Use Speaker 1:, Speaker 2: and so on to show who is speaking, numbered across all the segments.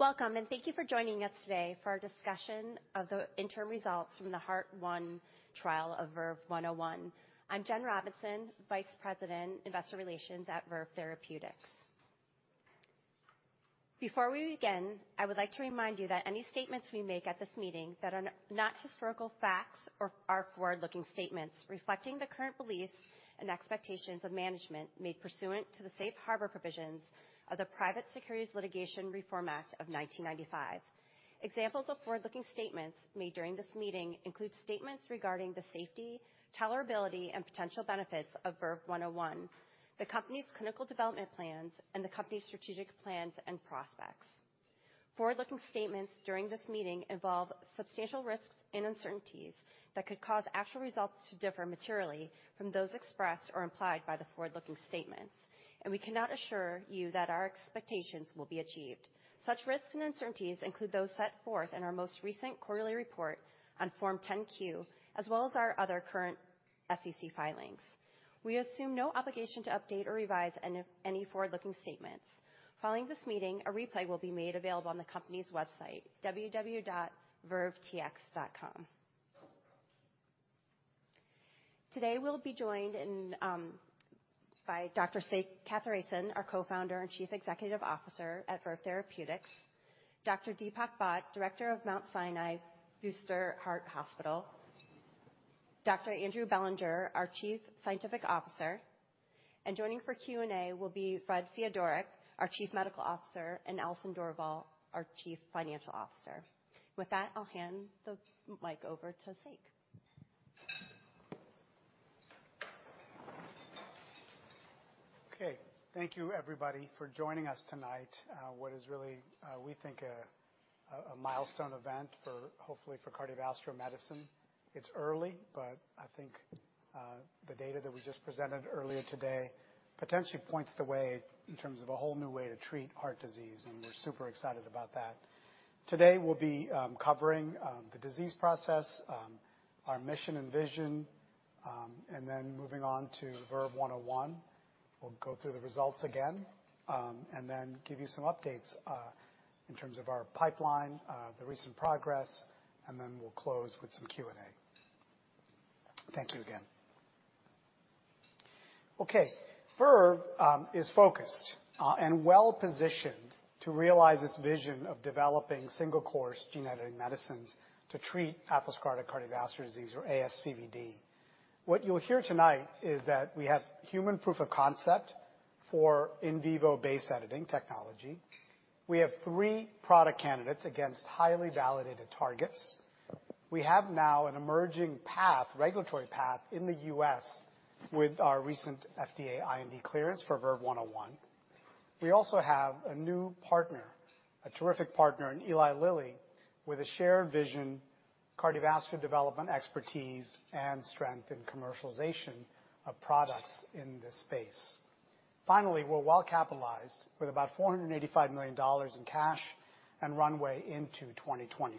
Speaker 1: Welcome, and thank you for joining us today for our discussion of the interim results from the Heart-1 trial of VERVE-101. I'm Jen Robinson, Vice President, Investor Relations at Verve Therapeutics. Before we begin, I would like to remind you that any statements we make at this meeting that are not historical facts or are forward-looking statements reflecting the current beliefs and expectations of management, made pursuant to the Safe Harbor Provisions of the Private Securities Litigation Reform Act of 1995. Examples of forward-looking statements made during this meeting include statements regarding the safety, tolerability, and potential benefits of VERVE-101, the company's clinical development plans, and the company's strategic plans and prospects. Forward-looking statements during this meeting involve substantial risks and uncertainties that could cause actual results to differ materially from those expressed or implied by the forward-looking statements, and we cannot assure you that our expectations will be achieved. Such risks and uncertainties include those set forth in our most recent quarterly report on Form 10-Q, as well as our other current SEC filings. We assume no obligation to update or revise any forward-looking statements. Following this meeting, a replay will be made available on the company's website, www.vervetx.com. Today, we'll be joined by Dr. Sekar Kathiresan, our Co-founder and Chief Executive Officer at Verve Therapeutics, Dr. Deepak Bhatt, Director of the Mount Sinai Fuster Heart Hospital, Dr. Andrew Bellinger, our Chief Scientific Officer, and joining for Q&A will be Fred Fiedorek, our Chief Medical Officer, and Allison Dorval, our Chief Financial Officer. With that, I'll hand the mic over to Sek.
Speaker 2: Okay. Thank you, everybody, for joining us tonight. What is really, we think a milestone event for hopefully for cardiovascular medicine. It's early, but I think the data that we just presented earlier today potentially points the way in terms of a whole new way to treat heart disease, and we're super excited about that. Today, we'll be covering the disease process, our mission and vision, and then moving on to VERVE-101. We'll go through the results again, and then give you some updates in terms of our pipeline, the recent progress, and then we'll close with some Q&A. Thank you again. Okay, Verve is focused and well-positioned to realize its vision of developing single-course gene-editing medicines to treat atherosclerotic cardiovascular disease or ASCVD. What you'll hear tonight is that we have human proof of concept for in vivo-based editing technology. We have three product candidates against highly validated targets. We have now an emerging path, regulatory path, in the U.S. with our recent FDA IND clearance for VERVE-101. We also have a new partner, a terrific partner in Eli Lilly, with a shared vision, cardiovascular development, expertise, and strength in commercialization of products in this space. Finally, we're well-capitalized with about $485 million in cash and runway into 2026.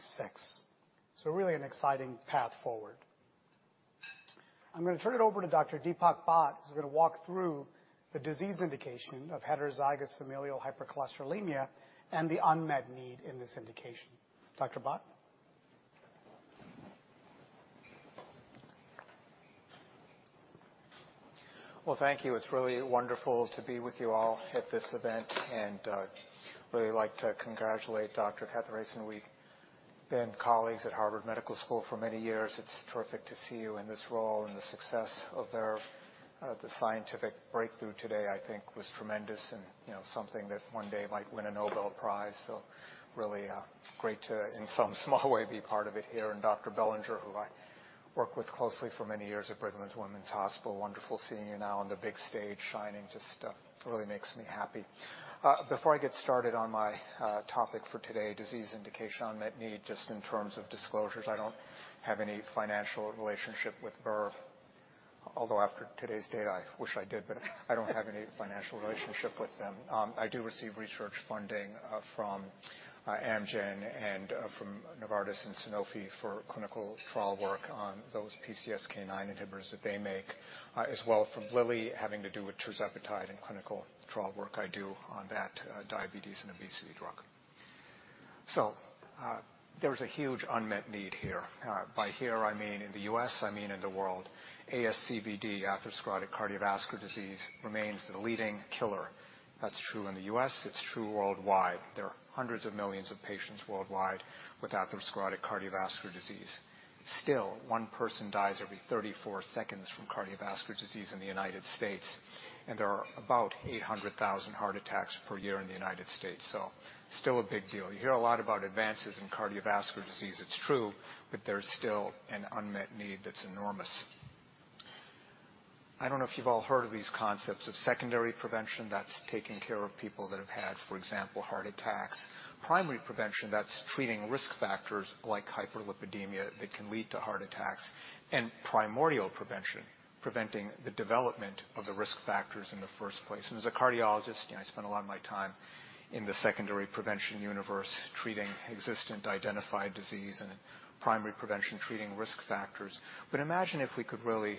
Speaker 2: So really an exciting path forward. I'm going to turn it over to Dr. Deepak Bhatt, who's going to walk through the disease indication of heterozygous familial hypercholesterolemia and the unmet need in this indication. Dr. Bhatt?
Speaker 3: Well, thank you. It's really wonderful to be with you all at this event, and really like to congratulate Dr. Kathiresan. We've been colleagues at Harvard Medical School for many years. It's terrific to see you in this role and the success of Verve. The scientific breakthrough today, I think, was tremendous and, you know, something that one day might win a Nobel Prize. So really great to, in some small way, be part of it here. Dr. Bellinger, who I worked with closely for many years at Brigham and Women's Hospital, wonderful seeing you now on the big stage shining, just really makes me happy. Before I get started on my topic for today, disease indication, unmet need, just in terms of disclosures, I don't have any financial relationship with Verve. Although, after today's date, I wish I did, but I don't have any financial relationship with them. I do receive research funding from Amgen and from Novartis and Sanofi for clinical trial work on those PCSK9 inhibitors that they make, as well from Lilly, having to do with tirzepatide and clinical trial work I do on that, diabetes and obesity drug. So, there's a huge unmet need here. By here, I mean in the U.S., I mean in the world. ASCVD, atherosclerotic cardiovascular disease, remains the leading killer. That's true in the U.S.; it's true worldwide. There are hundreds of millions of patients worldwide with atherosclerotic cardiovascular disease. Still, one person dies every 34 seconds from cardiovascular disease in the United States, and there are about 800,000 heart attacks per year in the United States, so still a big deal. You hear a lot about advances in cardiovascular disease. It's true, but there's still an unmet need that's enormous. I don't know if you've all heard of these concepts of secondary prevention, that's taking care of people that have had, for example, heart attacks. Primary prevention, that's treating risk factors like hyperlipidemia that can lead to heart attacks. And primordial prevention, preventing the development of the risk factors in the first place. And as a cardiologist, you know, I spend a lot of my time in the secondary prevention universe, treating existent identified disease and primary prevention, treating risk factors. But imagine if we could really-...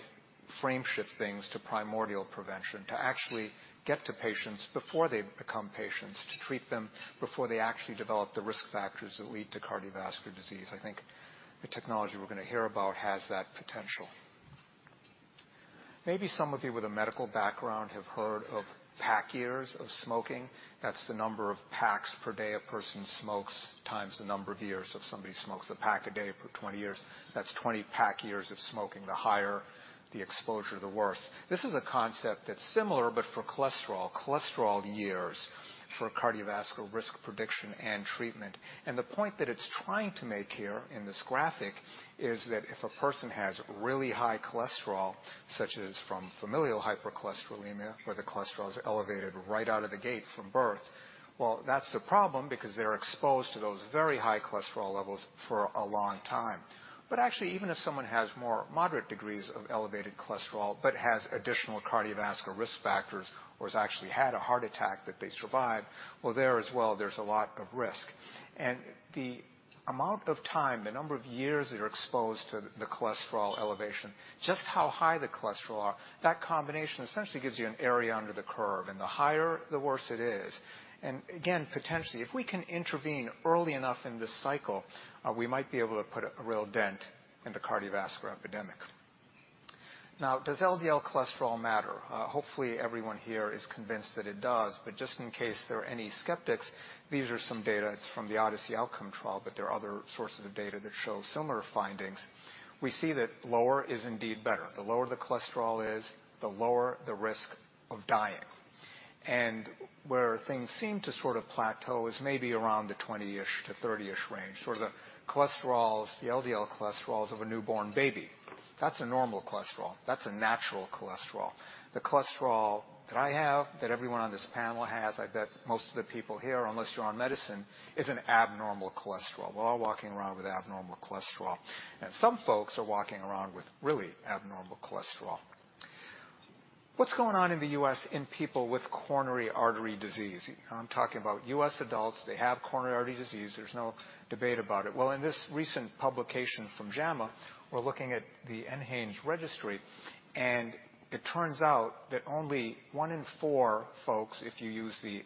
Speaker 3: Frame shift things to primordial prevention, to actually get to patients before they become patients, to treat them before they actually develop the risk factors that lead to cardiovascular disease. I think the technology we're gonna hear about has that potential. Maybe some of you with a medical background have heard of pack years of smoking. That's the number of packs per day a person smokes, times the number of years. So if somebody smokes a pack a day for 20 years, that's 20 pack years of smoking. The higher the exposure, the worse. This is a concept that's similar, but for cholesterol. Cholesterol years for cardiovascular risk prediction and treatment. And the point that it's trying to make here in this graphic is that if a person has really high cholesterol, such as from familial hypercholesterolemia, where the cholesterol is elevated right out of the gate from birth, well, that's a problem because they're exposed to those very high cholesterol levels for a long time. But actually, even if someone has more moderate degrees of elevated cholesterol, but has additional cardiovascular risk factors, or has actually had a heart attack that they survived, well, there as well, there's a lot of risk. And the amount of time, the number of years they are exposed to the cholesterol elevation, just how high the cholesterol are, that combination essentially gives you an area under the curve, and the higher, the worse it is. And again, potentially, if we can intervene early enough in this cycle, we might be able to put a real dent in the cardiovascular epidemic. Now, does LDL cholesterol matter? Hopefully everyone here is convinced that it does, but just in case there are any skeptics, these are some data. It's from the ODYSSEY OUTCOMES trial, but there are other sources of data that show similar findings. We see that lower is indeed better. The lower the cholesterol is, the lower the risk of dying. And where things seem to sort of plateau is maybe around the 20-ish to 30-ish range, sort of the cholesterols, the LDL cholesterols of a newborn baby. That's a normal cholesterol. That's a natural cholesterol. The cholesterol that I have, that everyone on this panel has, I bet most of the people here, unless you're on medicine, is an abnormal cholesterol. We're all walking around with abnormal cholesterol, and some folks are walking around with really abnormal cholesterol. What's going on in the U.S. in people with coronary artery disease? I'm talking about U.S. adults, they have coronary artery disease. There's no debate about it. Well, in this recent publication from JAMA, we're looking at the NHANES registry, and it turns out that only 1 in 4 folks, if you use the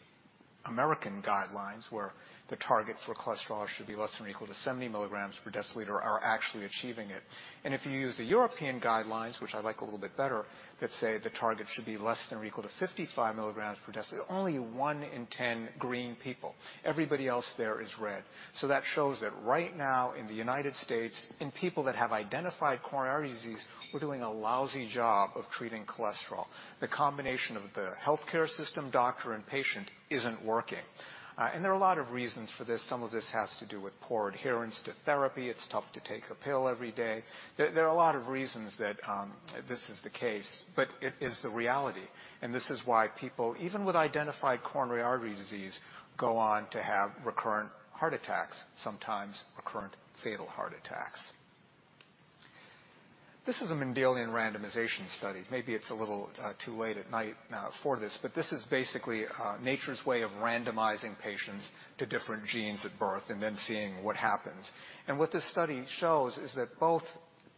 Speaker 3: American guidelines, where the target for cholesterol should be less than or equal to 70 milligrams per deciliter, are actually achieving it. And if you use the European guidelines, which I like a little bit better, that say the target should be less than or equal to 55 milligrams per deciliter, only 1 in 10 green people. Everybody else there is red. So that shows that right now, in the United States, in people that have identified coronary artery disease, we're doing a lousy job of treating cholesterol. The combination of the healthcare system, doctor, and patient isn't working. And there are a lot of reasons for this. Some of this has to do with poor adherence to therapy. It's tough to take a pill every day. There are a lot of reasons that this is the case, but it is the reality. And this is why people, even with identified coronary artery disease, go on to have recurrent heart attacks, sometimes recurrent fatal heart attacks. This is a Mendelian randomization study. Maybe it's a little too late at night for this, but this is basically nature's way of randomizing patients to different genes at birth and then seeing what happens. What this study shows is that both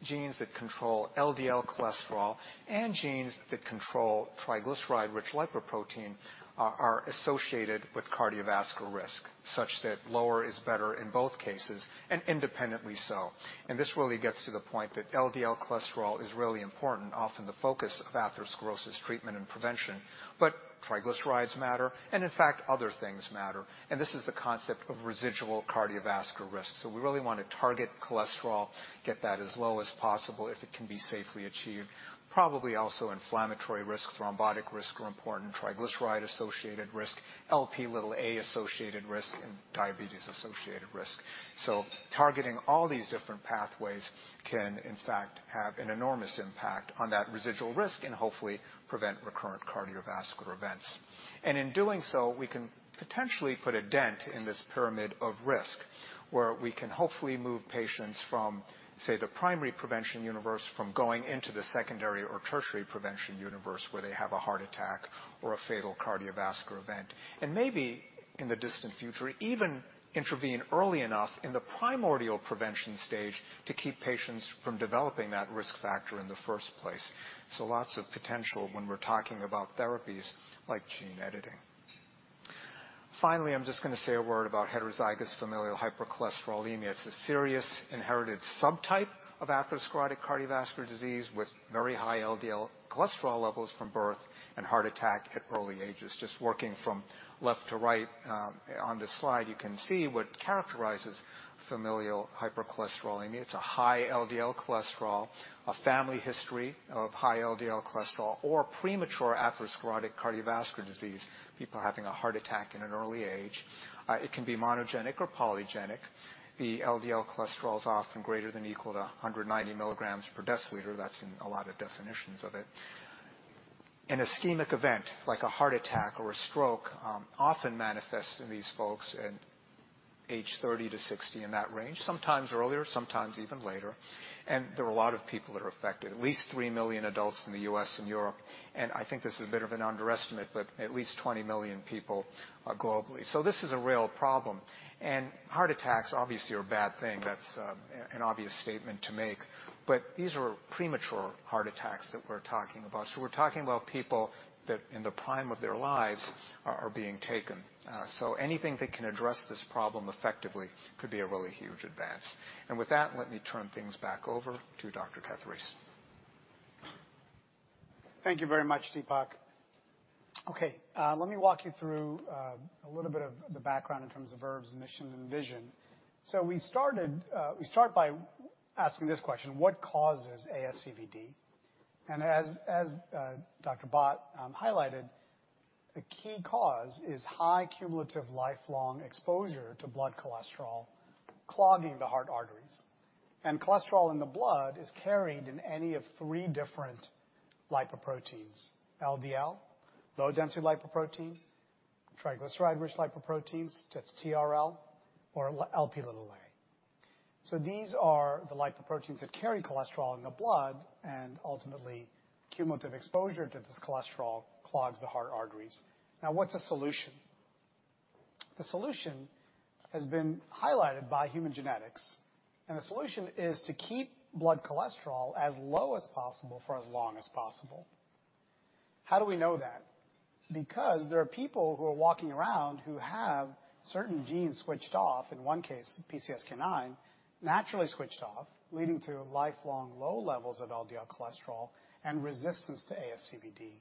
Speaker 3: genes that control LDL cholesterol and genes that control triglyceride-rich lipoprotein are associated with cardiovascular risk, such that lower is better in both cases, and independently so. This really gets to the point that LDL cholesterol is really important, often the focus of atherosclerosis treatment and prevention, but triglycerides matter, and in fact, other things matter. This is the concept of residual cardiovascular risk. We really wanna target cholesterol, get that as low as possible if it can be safely achieved. Probably also inflammatory risk, thrombotic risk are important, triglyceride-associated risk, Lp(a)-associated risk, and diabetes-associated risk. Targeting all these different pathways can, in fact, have an enormous impact on that residual risk and hopefully prevent recurrent cardiovascular events. And in doing so, we can potentially put a dent in this pyramid of risk, where we can hopefully move patients from, say, the primary prevention universe, from going into the secondary or tertiary prevention universe, where they have a heart attack or a fatal cardiovascular event. And maybe in the distant future, even intervene early enough in the primordial prevention stage to keep patients from developing that risk factor in the first place. So lots of potential when we're talking about therapies like gene editing. Finally, I'm just gonna say a word about heterozygous familial hypercholesterolemia. It's a serious inherited subtype of atherosclerotic cardiovascular disease with very high LDL cholesterol levels from birth and heart attack at early ages. Just working from left to right, on this slide, you can see what characterizes familial hypercholesterolemia. It's a high LDL cholesterol, a family history of high LDL cholesterol or premature atherosclerotic cardiovascular disease. People having a heart attack at an early age. It can be monogenic or polygenic. The LDL cholesterol is often greater than equal to 190 milligrams per deciliter. That's in a lot of definitions of it. An ischemic event, like a heart attack or a stroke, often manifests in these folks and age 30 to 60, in that range, sometimes earlier, sometimes even later. There are a lot of people that are affected, at least 3 million adults in the U.S. and Europe. I think this is a bit of an underestimate, but at least 20 million people globally. This is a real problem, and heart attacks obviously are a bad thing. That's an obvious statement to make, but these are premature heart attacks that we're talking about. So we're talking about people that in the prime of their lives are being taken. So anything that can address this problem effectively could be a really huge advance. And with that, let me turn things back over to Dr. Kathiresan.
Speaker 2: Thank you very much, Deepak. Okay, let me walk you through a little bit of the background in terms of Verve's mission and vision. So we start by asking this question: What causes ASCVD? And as Dr. Bhatt highlighted, the key cause is high cumulative lifelong exposure to blood cholesterol clogging the heart arteries. And cholesterol in the blood is carried in any of three different lipoproteins, LDL, low-density lipoprotein, triglyceride-rich lipoproteins, that's TRL, or Lp(a). So these are the lipoproteins that carry cholesterol in the blood and ultimately cumulative exposure to this cholesterol clogs the heart arteries. Now, what's the solution? The solution has been highlighted by human genetics, and the solution is to keep blood cholesterol as low as possible for as long as possible. How do we know that? Because there are people who are walking around who have certain genes switched off. In one case, PCSK9, naturally switched off, leading to lifelong low levels of LDL cholesterol and resistance to ASCVD.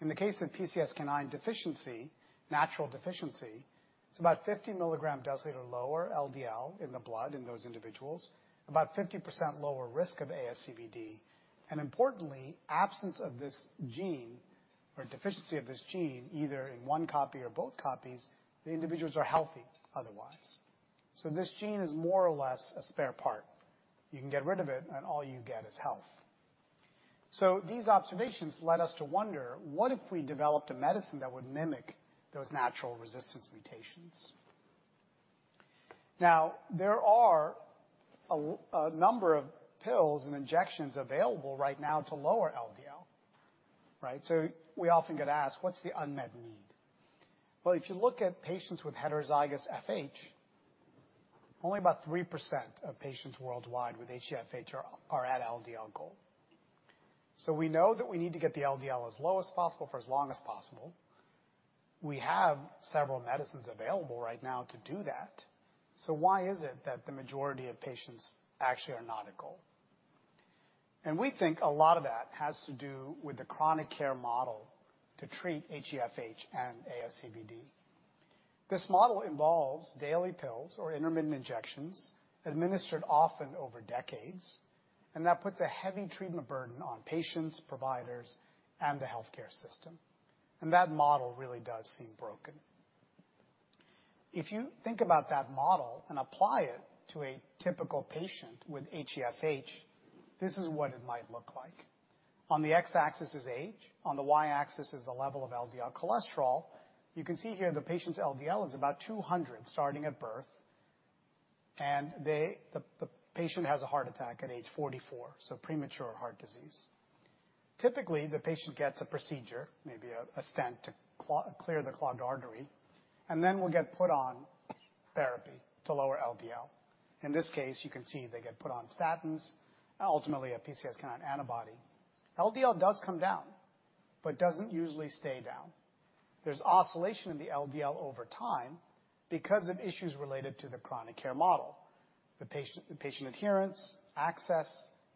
Speaker 2: In the case of PCSK9 deficiency, natural deficiency, it's about 50 mg/dL lower LDL in the blood in those individuals, about 50% lower risk of ASCVD, and importantly, absence of this gene or deficiency of this gene, either in one copy or both copies, the individuals are healthy otherwise. So this gene is more or less a spare part. You can get rid of it, and all you get is health. So these observations led us to wonder, what if we developed a medicine that would mimic those natural resistance mutations? Now, there are a number of pills and injections available right now to lower LDL, right? So we often get asked, "What's the unmet need?" Well, if you look at patients with heterozygous FH, only about 3% of patients worldwide with HeFH are at LDL goal. So we know that we need to get the LDL as low as possible for as long as possible. We have several medicines available right now to do that. So why is it that the majority of patients actually are not at goal? And we think a lot of that has to do with the chronic care model to treat HeFH and ASCVD. This model involves daily pills or intermittent injections, administered often over decades, and that puts a heavy treatment burden on patients, providers, and the healthcare system, and that model really does seem broken. If you think about that model and apply it to a typical patient with HeFH, this is what it might look like. On the x-axis is age, on the y-axis is the level of LDL cholesterol. You can see here the patient's LDL is about 200, starting at birth, and the patient has a heart attack at age 44, so premature heart disease. Typically, the patient gets a procedure, maybe a stent to clear the clogged artery, and then will get put on therapy to lower LDL. In this case, you can see they get put on statins and ultimately a PCSK9 antibody. LDL does come down, but doesn't usually stay down. There's oscillation in the LDL over time because of issues related to the chronic care model. The patient adherence, access,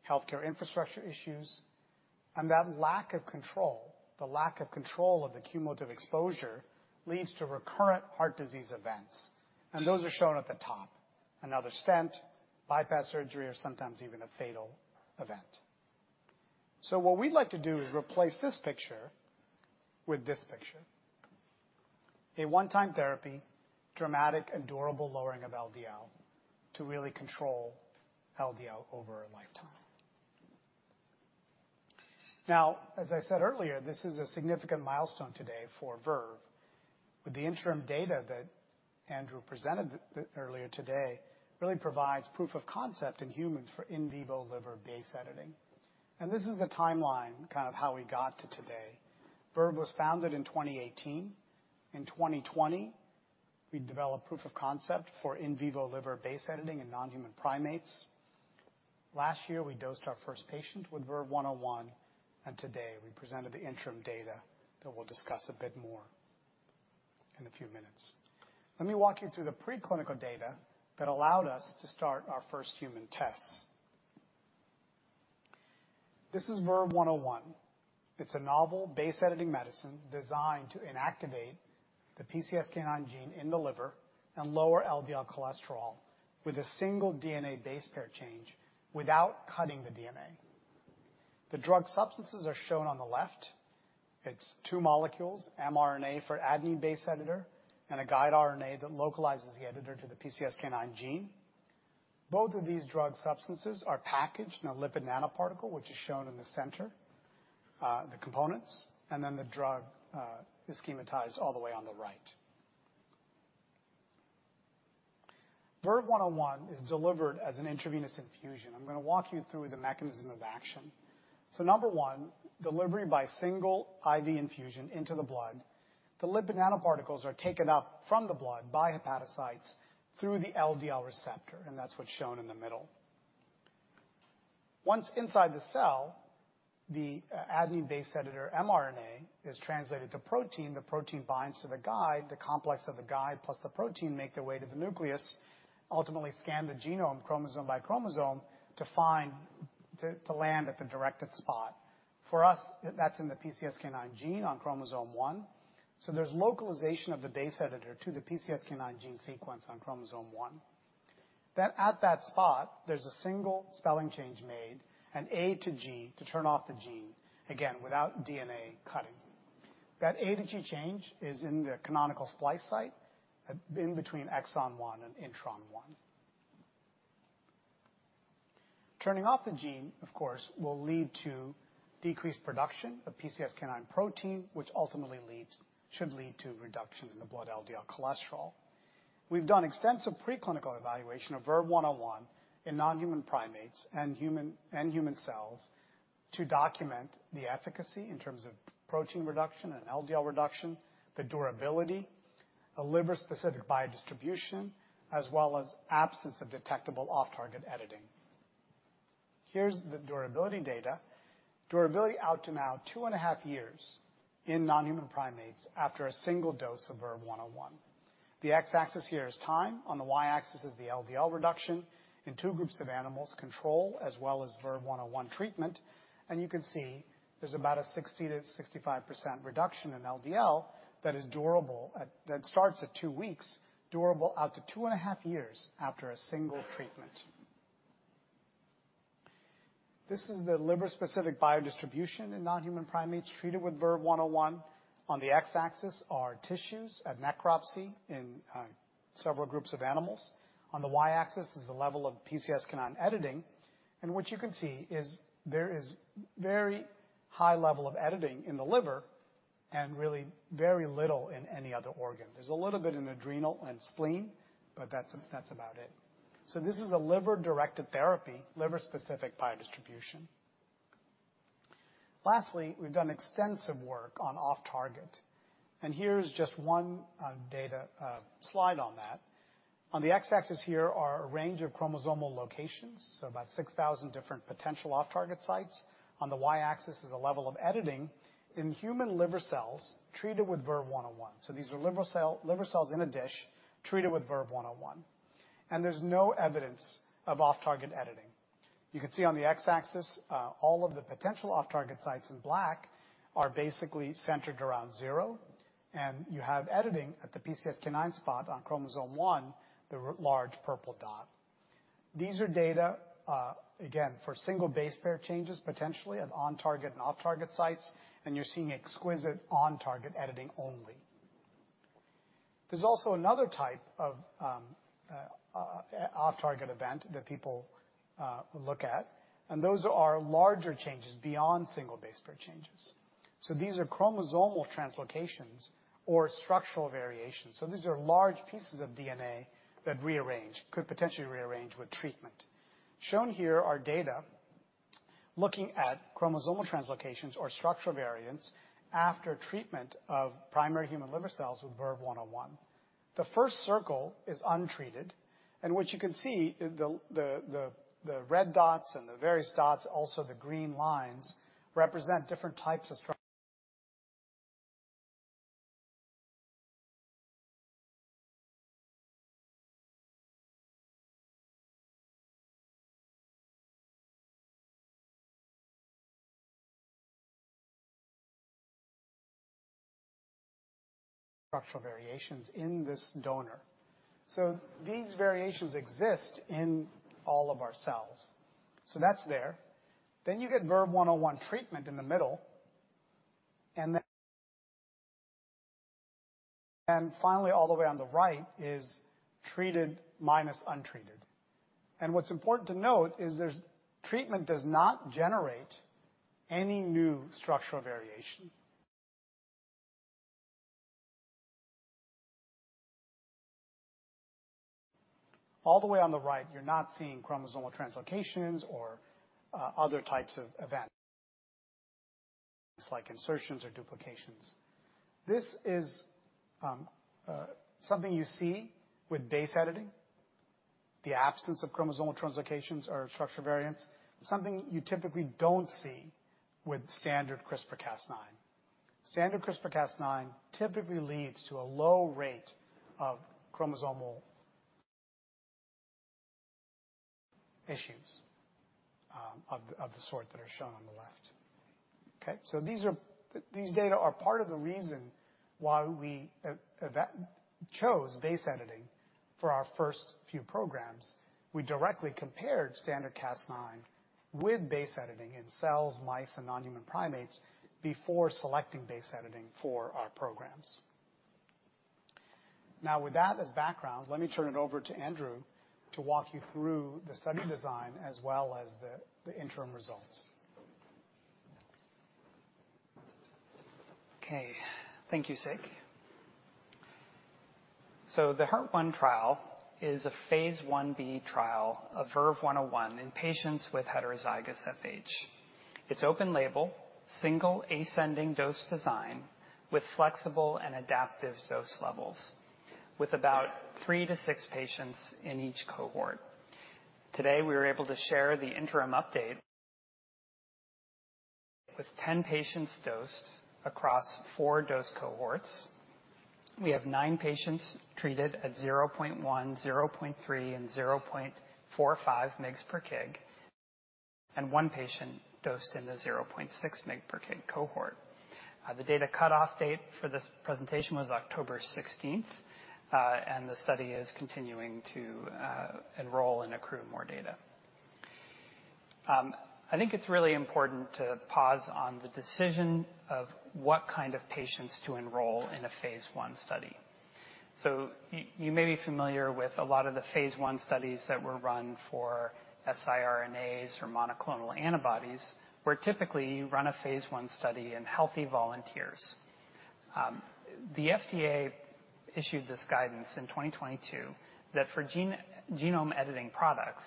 Speaker 2: healthcare infrastructure issues, and that lack of control of the cumulative exposure leads to recurrent heart disease events, and those are shown at the top. Another stent, bypass surgery, or sometimes even a fatal event. So what we'd like to do is replace this picture with this picture. A one-time therapy, dramatic and durable lowering of LDL to really control LDL over a lifetime. Now, as I said earlier, this is a significant milestone today for Verve, with the interim data that Andrew presented earlier today, really provides proof of concept in humans for in vivo liver base editing. And this is the timeline, kind of how we got to today. Verve was founded in 2018. In 2020, we developed proof of concept for in vivo liver base editing in non-human primates. Last year, we dosed our first patient with VERVE-101, and today we presented the interim data that we'll discuss a bit more in a few minutes. Let me walk you through the preclinical data that allowed us to start our first human tests. This is VERVE-101. It's a novel base editing medicine designed to inactivate the PCSK9 gene in the liver and lower LDL cholesterol with a single DNA base pair change without cutting the DNA. The drug substances are shown on the left. It's two molecules, mRNA for ABE base editor, and a guide RNA that localizes the editor to the PCSK9 gene.... Both of these drug substances are packaged in a lipid nanoparticle, which is shown in the center, the components, and then the drug is schematized all the way on the right. VERVE-101 is delivered as an intravenous infusion. I'm going to walk you through the mechanism of action. So number one, delivery by single IV infusion into the blood. The lipid nanoparticles are taken up from the blood by hepatocytes through the LDL receptor, and that's what's shown in the middle. Once inside the cell, the adenine base editor mRNA is translated to protein. The protein binds to the guide, the complex of the guide, plus the protein, make their way to the nucleus, ultimately scan the genome, chromosome by chromosome, to land at the directed spot. For us, that's in the PCSK9 gene on chromosome one. So there's localization of the base editor to the PCSK9 gene sequence on chromosome one. Then at that spot, there's a single spelling change made, an A to G to turn off the gene, again, without DNA cutting. That A to G change is in the canonical splice site, in between exon one and intron one. Turning off the gene, of course, will lead to decreased production of PCSK9 protein, which ultimately leads, should lead to reduction in the blood LDL cholesterol. We've done extensive preclinical evaluation of VERVE-101 in non-human primates and human, and human cells to document the efficacy in terms of protein reduction and LDL reduction, the durability, a liver-specific biodistribution, as well as absence of detectable off-target editing. Here's the durability data. Durability out to now 2.5 years in non-human primates after a single dose of VERVE-101. The x-axis here is time, on the y-axis is the LDL reduction in two groups of animals, control, as well as VERVE-101 treatment. And you can see there's about a 60%-65% reduction in LDL that is durable, at, that starts at two weeks, durable out to 2.5 years after a single treatment. This is the liver-specific biodistribution in non-human primates treated with VERVE-101. On the x-axis are tissues at necropsy in several groups of animals. On the y-axis is the level of PCSK9 editing, and what you can see is there is very high level of editing in the liver and really very little in any other organ. There's a little bit in adrenal and spleen, but that's, that's about it. So this is a liver-directed therapy, liver-specific biodistribution. Lastly, we've done extensive work on off-target, and here's just one data slide on that. On the x-axis here are a range of chromosomal locations, so about 6,000 different potential off-target sites. On the y-axis is a level of editing in human liver cells treated with VERVE-101. So these are liver cell, liver cells in a dish treated with VERVE-101, and there's no evidence of off-target editing. You can see on the x-axis, all of the potential off-target sites in black are basically centered around zero, and you have editing at the PCSK9 spot on chromosome 1, the large purple dot. These are data, again, for single base pair changes, potentially of on-target and off-target sites, and you're seeing exquisite on-target editing only. There's also another type of off-target event that people look at, and those are larger changes beyond single base pair changes. So these are chromosomal translocations or structural variations. So these are large pieces of DNA that rearrange, could potentially rearrange with treatment. Shown here are data looking at chromosomal translocations or structural variants after treatment of primary human liver cells with VERVE-101. The first circle is untreated, and what you can see, the red dots and the various dots, also the green lines, represent different types of structural variations in this donor. So these variations exist in all of our cells. So that's there. Then you get VERVE-101 treatment in the middle, and then... And finally, all the way on the right is treated minus untreated. And what's important to note is there's treatment does not generate any new structural variation. All the way on the right, you're not seeing chromosomal translocations or other types of events, like insertions or duplications. This is something you see with base editing, the absence of chromosomal translocations or structural variants, something you typically don't see with standard CRISPR-Cas9. Standard CRISPR-Cas9 typically leads to a low rate of chromosomal issues of the sort that are shown on the left. Okay? So these are... These data are part of the reason why we eventually chose base editing for our first few programs. We directly compared standard Cas9 with base editing in cells, mice, and non-human primates before selecting base editing for our programs.... Now, with that as background, let me turn it over to Andrew to walk you through the study design as well as the interim results.
Speaker 4: Okay, thank you, Sek. So the Heart-1 trial is a Phase Ib trial of VERVE-101 in patients with heterozygous FH. It's open label, single ascending dose design with flexible and adaptive dose levels, with about 3-6 patients in each cohort. Today, we are able to share the interim update with 10 patients dosed across 4 dose cohorts. We have 9 patients treated at 0.1, 0.3, and 0.45 mg/kg, and 1 patient dosed in the 0.6 mg/kg cohort. The data cutoff date for this presentation was October sixteenth, and the study is continuing to enroll and accrue more data. I think it's really important to pause on the decision of what kind of patients to enroll in a Phase I study. So you may be familiar with a lot of the Phase I studies that were run for siRNAs or monoclonal antibodies, where typically you run a Phase I study in healthy volunteers. The FDA issued this guidance in 2022 that for gene genome editing products,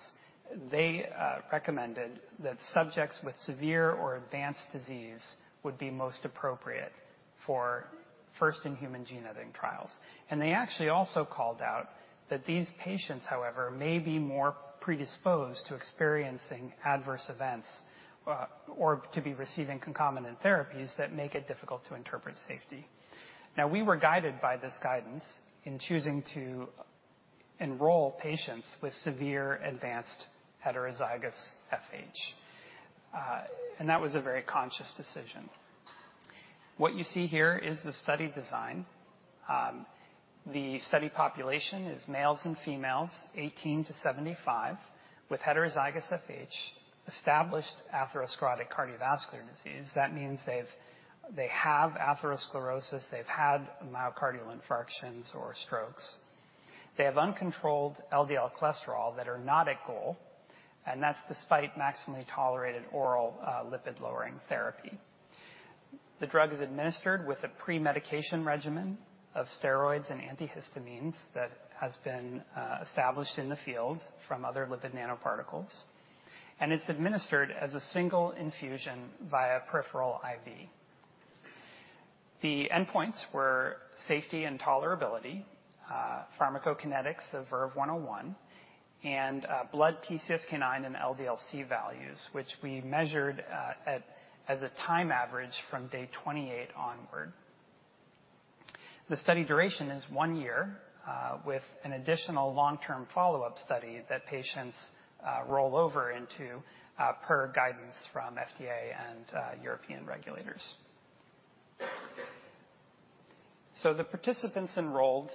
Speaker 4: they recommended that subjects with severe or advanced disease would be most appropriate for first in human gene editing trials. And they actually also called out that these patients, however, may be more predisposed to experiencing adverse events or to be receiving concomitant therapies that make it difficult to interpret safety. Now, we were guided by this guidance in choosing to enroll patients with severe advanced heterozygous FH, and that was a very conscious decision. What you see here is the study design. The study population is males and females, 18-75, with heterozygous FH, established atherosclerotic cardiovascular disease. That means they have atherosclerosis, they've had myocardial infarctions or strokes. They have uncontrolled LDL cholesterol that are not at goal, and that's despite maximally tolerated oral lipid-lowering therapy. The drug is administered with a pre-medication regimen of steroids and antihistamines that has been established in the field from other lipid nanoparticles, and it's administered as a single infusion via peripheral IV. The endpoints were safety and tolerability, pharmacokinetics of VERVE-101, and blood PCSK9 and LDL-C values, which we measured as a time average from day 28 onward. The study duration is one year, with an additional long-term follow-up study that patients roll over into per guidance from FDA and European regulators. So the participants enrolled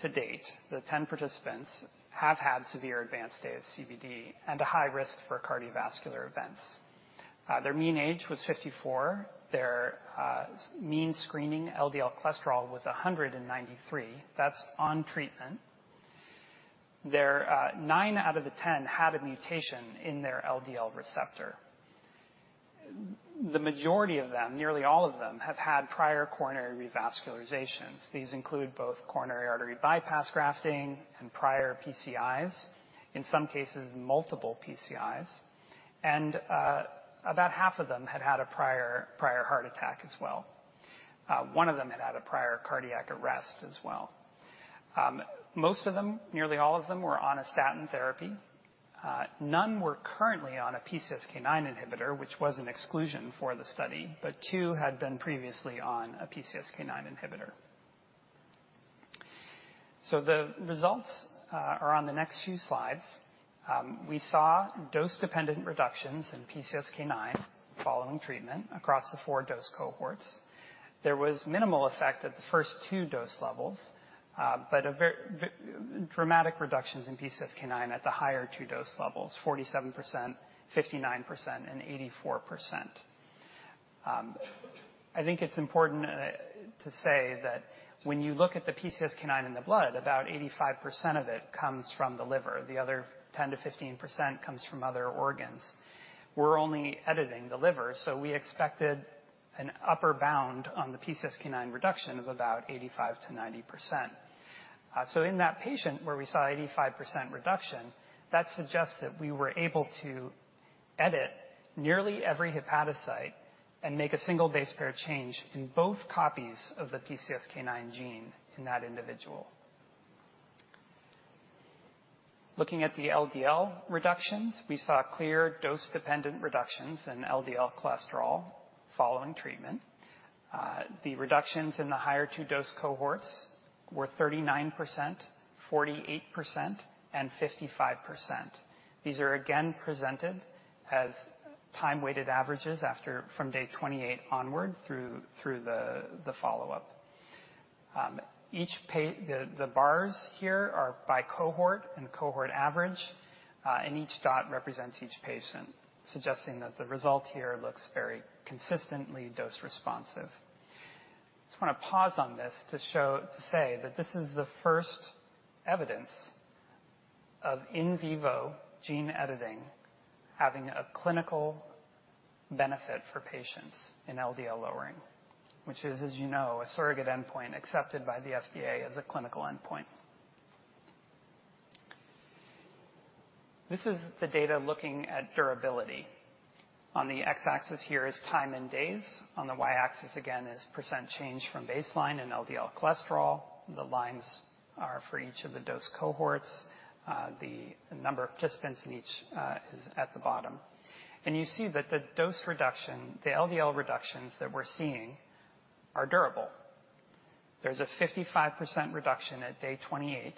Speaker 4: to date, the 10 participants, have had severe advanced ASCVD and a high risk for cardiovascular events. Their mean age was 54. Their mean screening LDL cholesterol was 193. That's on treatment. Their nine out of the 10 had a mutation in their LDL receptor. The majority of them, nearly all of them, have had prior coronary revascularizations. These include both coronary artery bypass grafting and prior PCIs, in some cases, multiple PCIs. And about half of them had had a prior heart attack as well. One of them had had a prior cardiac arrest as well. Most of them, nearly all of them, were on a statin therapy. None were currently on a PCSK9 inhibitor, which was an exclusion for the study, but two had been previously on a PCSK9 inhibitor. The results are on the next few slides. We saw dose-dependent reductions in PCSK9 following treatment across the 4 dose cohorts. There was minimal effect at the first 2 dose levels, but very dramatic reductions in PCSK9 at the higher 2 dose levels, 47%, 59%, and 84%. I think it's important to say that when you look at the PCSK9 in the blood, about 85% of it comes from the liver. The other 10%-15% comes from other organs. We're only editing the liver, so we expected an upper bound on the PCSK9 reduction of about 85%-90%. So in that patient where we saw 85% reduction, that suggests that we were able to edit nearly every hepatocyte and make a single base pair change in both copies of the PCSK9 gene in that individual. Looking at the LDL reductions, we saw clear dose-dependent reductions in LDL cholesterol following treatment. The reductions in the higher two dose cohorts were 39%, 48%, and 55%. These are again presented as time-weighted averages after from day 28 onward through the follow-up. The bars here are by cohort and cohort average, and each dot represents each patient, suggesting that the result here looks very consistently dose responsive. I just want to pause on this to show, to say that this is the first evidence-... of in vivo gene editing, having a clinical benefit for patients in LDL lowering, which is, as you know, a surrogate endpoint accepted by the FDA as a clinical endpoint. This is the data looking at durability. On the x-axis here is time in days. On the y-axis again, is percent change from baseline and LDL cholesterol. The lines are for each of the dose cohorts. The number of participants in each is at the bottom. And you see that the dose reduction, the LDL reductions that we're seeing are durable. There's a 55% reduction at day 28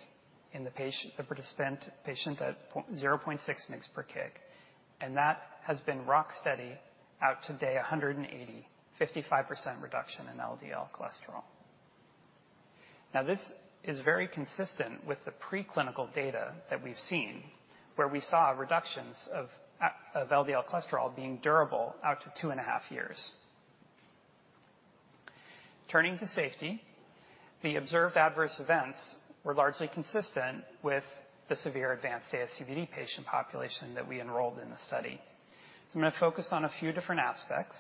Speaker 4: in the patient, the participant patient at 0.6 mg per kg, and that has been rock steady out to day 180, 55% reduction in LDL cholesterol. Now, this is very consistent with the preclinical data that we've seen, where we saw reductions of LDL cholesterol being durable out to 2.5 years. Turning to safety, the observed adverse events were largely consistent with the severe advanced ASCVD patient population that we enrolled in the study. So I'm going to focus on a few different aspects.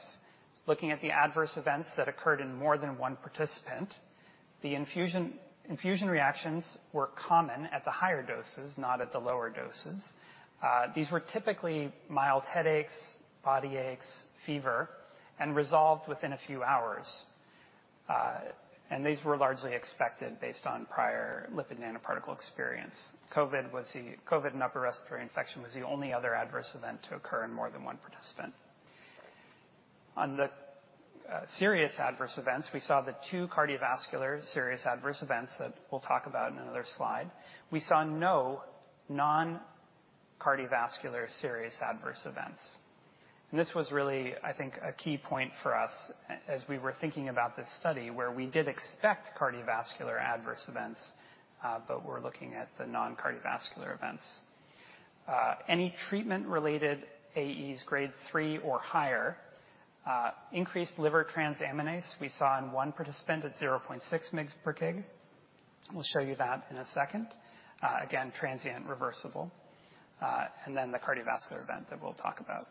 Speaker 4: Looking at the adverse events that occurred in more than one participant, the infusion reactions were common at the higher doses, not at the lower doses. These were typically mild headaches, body aches, fever, and resolved within a few hours. And these were largely expected based on prior lipid nanoparticle experience. COVID and upper respiratory infection was the only other adverse event to occur in more than one participant. On the serious adverse events, we saw the two cardiovascular serious adverse events that we'll talk about in another slide. We saw no non-cardiovascular serious adverse events, and this was really, I think, a key point for us as we were thinking about this study, where we did expect cardiovascular adverse events, but we're looking at the non-cardiovascular events. Any treatment-related AEs Grade 3 or higher, increased liver transaminase we saw in one participant at 0.6 mg/kg. We'll show you that in a second. Again, transient reversible, and then the cardiovascular event that we'll talk about.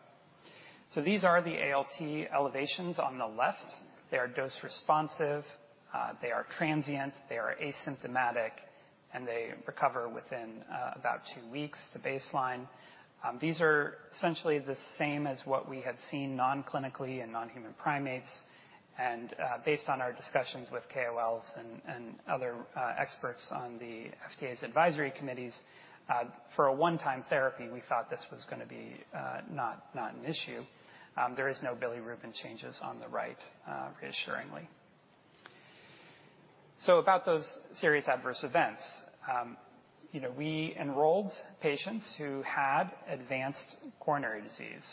Speaker 4: So these are the ALT elevations on the left. They are dose responsive, they are transient, they are asymptomatic, and they recover within about two weeks to baseline. These are essentially the same as what we had seen non-clinically in non-human primates, and based on our discussions with KOLs and other experts on the FDA's advisory committees, for a one-time therapy, we thought this was gonna be not an issue. There is no bilirubin changes on the right, reassuringly. So about those serious adverse events. You know, we enrolled patients who had advanced coronary disease.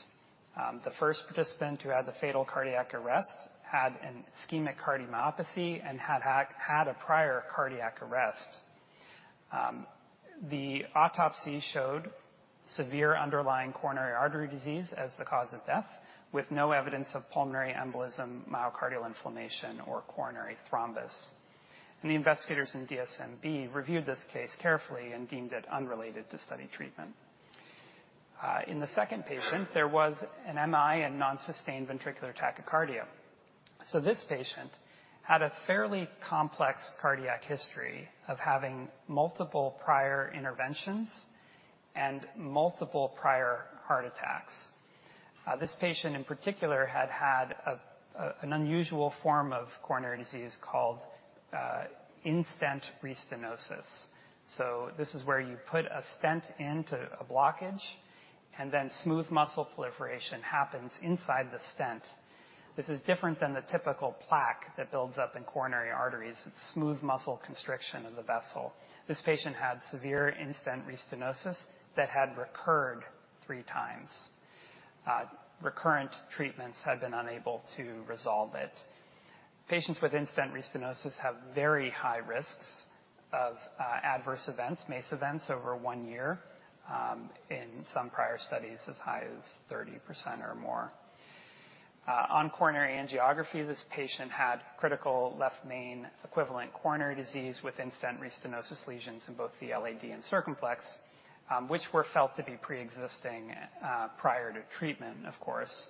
Speaker 4: The first participant who had the fatal cardiac arrest had an ischemic cardiomyopathy and had a prior cardiac arrest. The autopsy showed severe underlying coronary artery disease as the cause of death, with no evidence of pulmonary embolism, myocardial inflammation, or coronary thrombus. The investigators in DSMB reviewed this case carefully and deemed it unrelated to study treatment. In the second patient, there was an MI and non-sustained ventricular tachycardia. So this patient had a fairly complex cardiac history of having multiple prior interventions and multiple prior heart attacks. This patient, in particular, had had a, an unusual form of coronary disease called, in-stent restenosis. So this is where you put a stent into a blockage, and then smooth muscle proliferation happens inside the stent. This is different than the typical plaque that builds up in coronary arteries. It's smooth muscle constriction of the vessel. This patient had severe in-stent restenosis that had recurred three times. Recurrent treatments had been unable to resolve it. Patients with in-stent restenosis have very high risks of, adverse events, MACE events, over one year. In some prior studies, as high as 30% or more. On coronary angiography, this patient had critical left main equivalent coronary disease with in-stent restenosis lesions in both the LAD and circumflex, which were felt to be preexisting, prior to treatment of course.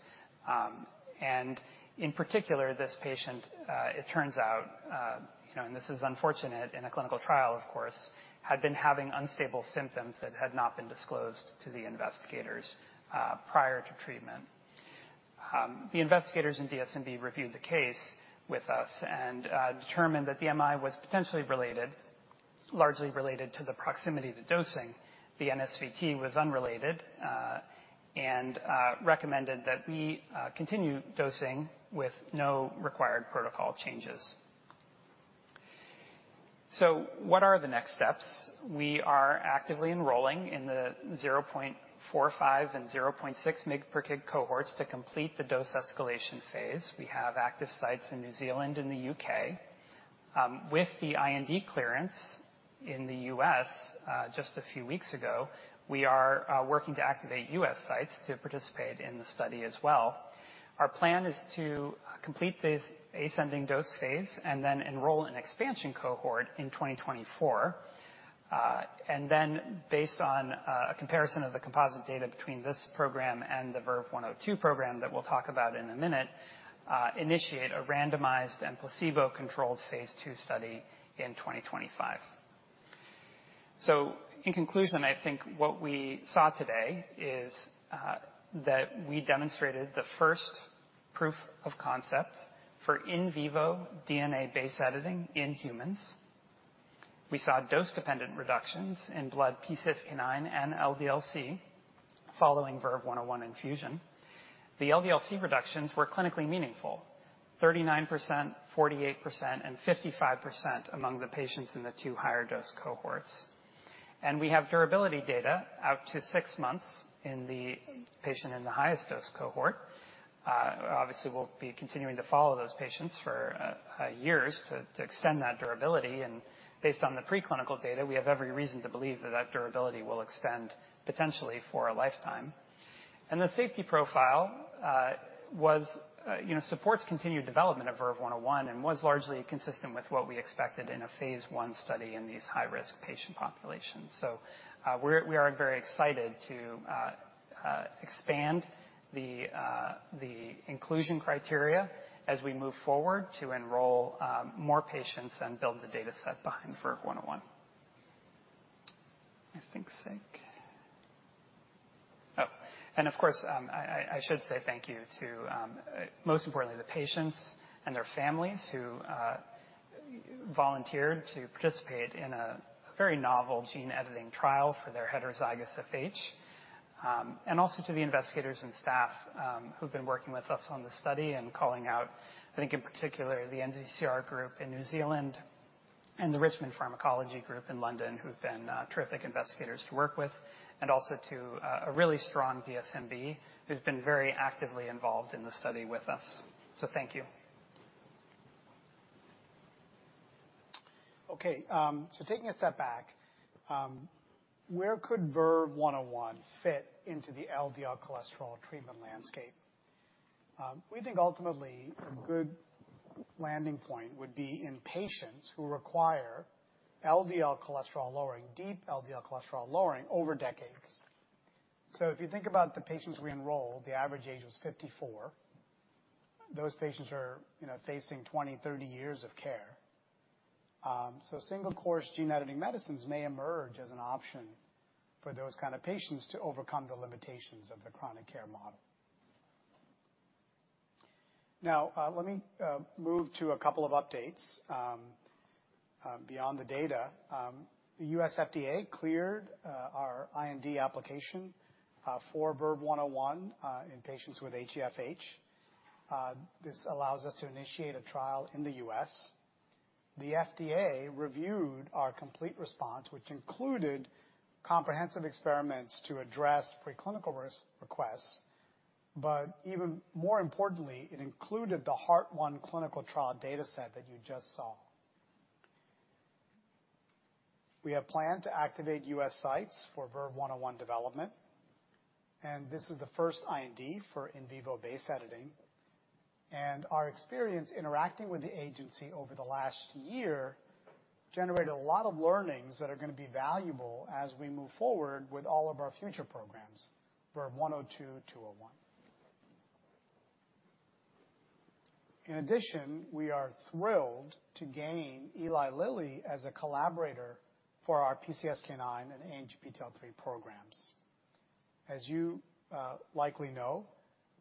Speaker 4: And in particular, this patient, it turns out, you know, and this is unfortunate in a clinical trial, of course, had been having unstable symptoms that had not been disclosed to the investigators, prior to treatment. The investigators in DSMB reviewed the case with us and, determined that the MI was potentially related, largely related to the proximity to dosing. The NSVT was unrelated, and recommended that we continue dosing with no required protocol changes. So what are the next steps? We are actively enrolling in the 0.45 and 0.6 mg per kg cohorts to complete the dose escalation phase. We have active sites in New Zealand and the U.K. With the IND clearance in the U.S., just a few weeks ago. We are working to activate U.S. sites to participate in the study as well. Our plan is to complete this ascending dose phase and then enroll an expansion cohort in 2024. And then based on a comparison of the composite data between this program and the VERVE-102 program that we'll talk about in a minute, initiate a randomized and placebo-controlled Phase II study in 2025. So in conclusion, I think what we saw today is that we demonstrated the first proof of concept for in vivo DNA-based editing in humans. We saw dose-dependent reductions in blood PCSK9 and LDL-C following VERVE-101 infusion. The LDL-C reductions were clinically meaningful: 39%, 48%, and 55% among the patients in the two higher dose cohorts. We have durability data out to six months in the patient in the highest dose cohort. Obviously, we'll be continuing to follow those patients for years to extend that durability, and based on the preclinical data, we have every reason to believe that that durability will extend potentially for a lifetime. The safety profile was, you know, supports continued development of VERVE-101 and was largely consistent with what we expected in a Phase I study in these high-risk patient populations. So, we're—we are very excited to expand the inclusion criteria as we move forward to enroll more patients and build the data set behind VERVE-101. I think Sek... Oh, and of course, I should say thank you to, most importantly, the patients and their families who volunteered to participate in a very novel gene editing trial for their heterozygous FH. And also to the investigators and staff who've been working with us on this study and calling out, I think, in particular, the NZCR group in New Zealand and the Richmond Pharmacology group in London, who've been terrific investigators to work with, and also to a really strong DSMB, who's been very actively involved in the study with us. So thank you.
Speaker 2: Okay, so taking a step back, where could VERVE-101 fit into the LDL cholesterol treatment landscape? We think ultimately a good landing point would be in patients who require LDL cholesterol lowering, deep LDL cholesterol lowering over decades. So if you think about the patients we enrolled, the average age was 54. Those patients are, you know, facing 20, 30 years of care. So single-course gene editing medicines may emerge as an option for those kind of patients to overcome the limitations of the chronic care model. Now, let me move to a couple of updates. Beyond the data, the U.S. FDA cleared our IND application for VERVE-101 in patients with HeFH. This allows us to initiate a trial in the U.S. The FDA reviewed our complete response, which included comprehensive experiments to address preclinical requests, but even more importantly, it included the Heart-1 clinical trial dataset that you just saw. We have planned to activate U.S. sites for VERVE-101 development, and this is the first IND for in vivo base editing. Our experience interacting with the agency over the last year generated a lot of learnings that are going to be valuable as we move forward with all of our future programs, VERVE-102, VERVE-201. In addition, we are thrilled to gain Eli Lilly as a collaborator for our PCSK9 and ANGPTL3 programs. As you likely know,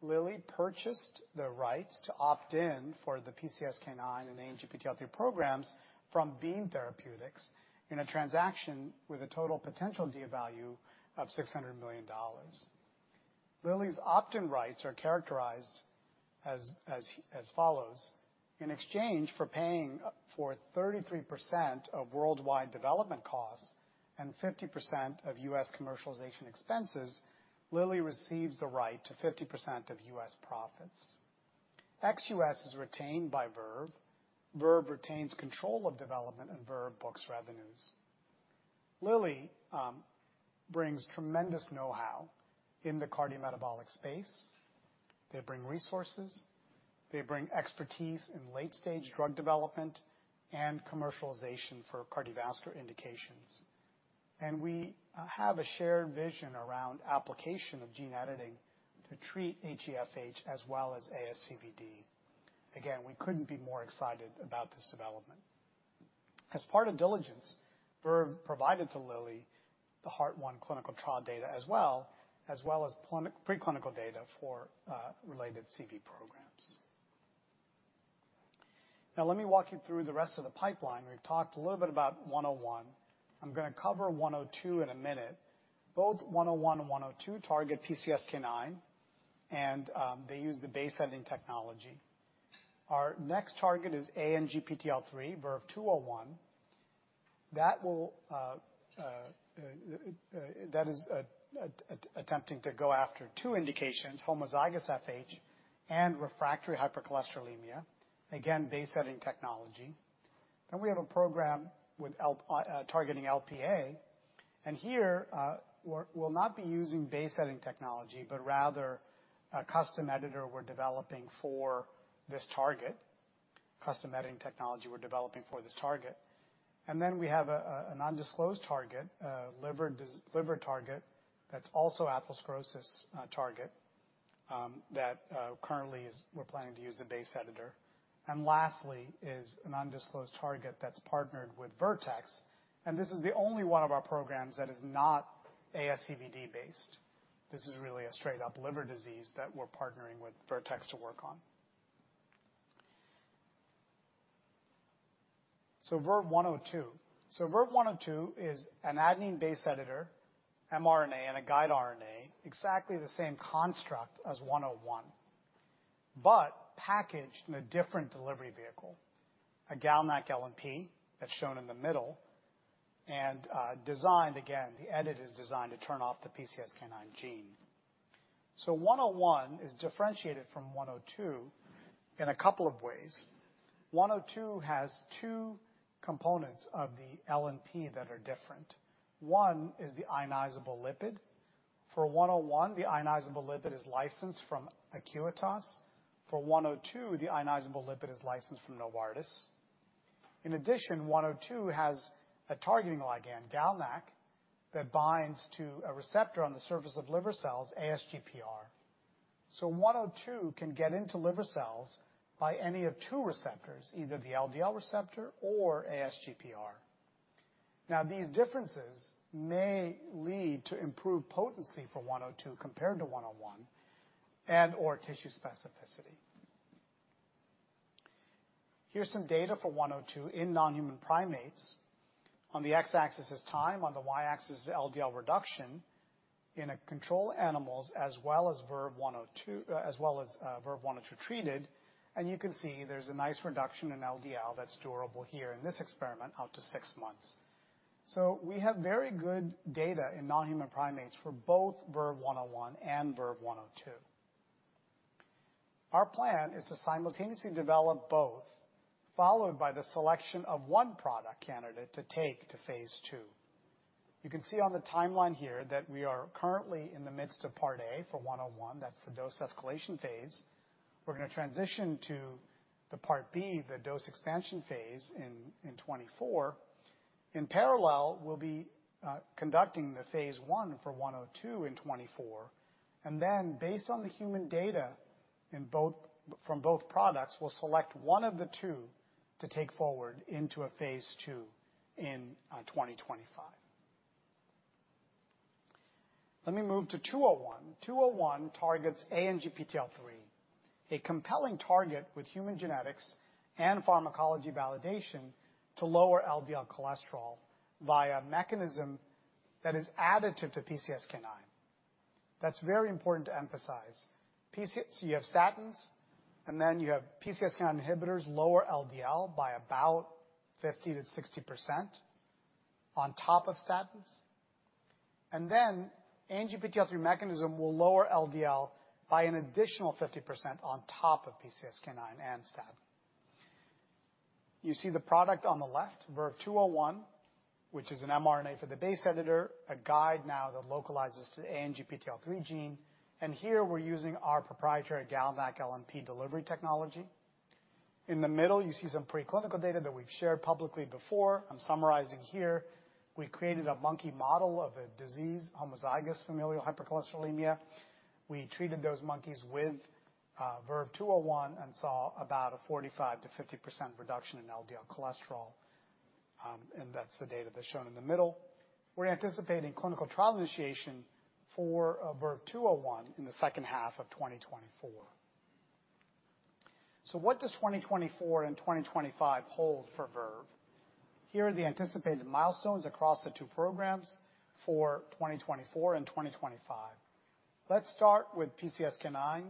Speaker 2: Lilly purchased the rights to opt in for the PCSK9 and ANGPTL3 programs from Beam Therapeutics in a transaction with a total potential deal value of $600 million. Lilly's opt-in rights are characterized as follows: In exchange for paying for 33% of worldwide development costs and 50% of U.S. commercialization expenses, Lilly receives the right to 50% of U.S. profits. Ex-U.S. is retained by Verve. Verve retains control of development, and Verve books revenues. Lilly brings tremendous know-how in the cardiometabolic space. They bring resources, they bring expertise in late-stage drug development and commercialization for cardiovascular indications. We have a shared vision around application of gene editing to treat HeFH as well as ASCVD. Again, we couldn't be more excited about this development. As part of diligence, Verve provided to Lilly the Heart-1 clinical trial data as well as preclinical data for related CV programs. Now, let me walk you through the rest of the pipeline. We've talked a little bit about 101. I'm going to cover 102 in a minute. Both 101 and 102 target PCSK9, and they use the base editing technology. Our next target is ANGPTL3, VERVE-201. That will, that is a attempting to go after two indications, homozygous FH and refractory hypercholesterolemia, again, base editing technology. Then we have a program targeting Lp(a), and here, we'll not be using base editing technology, but rather a custom editor we're developing for this target. Custom editing technology we're developing for this target. And then we have a an undisclosed target, liver liver target, that's also atherosclerosis target, that currently is we're planning to use a base editor. And lastly, is an undisclosed target that's partnered with Vertex, and this is the only one of our programs that is not ASCVD based. This is really a straight-up liver disease that we're partnering with Vertex to work on. So VERVE-102. So VERVE-102 is an adenine-based editor, mRNA, and a guide RNA, exactly the same construct as VERVE-101, but packaged in a different delivery vehicle, a GalNAc-LNP, that's shown in the middle, and, designed again, the edit is designed to turn off the PCSK9 gene. So VERVE-101 is differentiated from VERVE-102 in a couple of ways. VERVE-102 has two components of the LNP that are different. One is the ionizable lipid. For VERVE-101, the ionizable lipid is licensed from Acuitas. For VERVE-102, the ionizable lipid is licensed from Novartis. In addition, 102 has a targeting ligand, GalNAc, that binds to a receptor on the surface of liver cells, ASGPR. So 102 can get into liver cells by any of two receptors, either the LDL receptor or ASGPR. Now, these differences may lead to improved potency for 102 compared to 101, and/or tissue specificity. Here's some data for 102 in non-human primates. On the x-axis is time, on the y-axis is LDL reduction in control animals, as well as VERVE-102, as well as VERVE-102 treated, and you can see there's a nice reduction in LDL that's durable here in this experiment out to six months. So we have very good data in non-human primates for both VERVE-101 and VERVE-102. Our plan is to simultaneously develop both, followed by the selection of one product candidate to take to Phase II. You can see on the timeline here that we are currently in the midst of Part A for 101, that's the dose escalation phase. We're going to transition to Part B, the dose expansion phase, in 2024. In parallel, we'll be conducting the Phase I for 102 in 2024, and then, based on the human data from both products, we'll select one of the two to take forward into a Phase II in 2025. Let me move to 201. 201 targets ANGPTL3, a compelling target with human genetics and pharmacology validation to lower LDL cholesterol via a mechanism that is additive to PCSK9. That's very important to emphasize. PC... So you have statins, and then you have PCSK9 inhibitors, lower LDL by about 50%-60% on top of statins. And then, ANGPTL3 mechanism will lower LDL by an additional 50% on top of PCSK9 and statin. You see the product on the left, VERVE-201, which is an mRNA for the base editor, a guide now that localizes to the ANGPTL3 gene, and here we're using our proprietary GalNAc-LNP delivery technology. In the middle, you see some preclinical data that we've shared publicly before. I'm summarizing here. We created a monkey model of a disease, homozygous familial hypercholesterolemia. We treated those monkeys with VERVE-201 and saw about a 45%-50% reduction in LDL cholesterol, and that's the data that's shown in the middle. We're anticipating clinical trial initiation for VERVE-201 in the second half of 2024. So what does 2024 and 2025 hold for Verve? Here are the anticipated milestones across the two programs for 2024 and 2025. Let's start with PCSK9.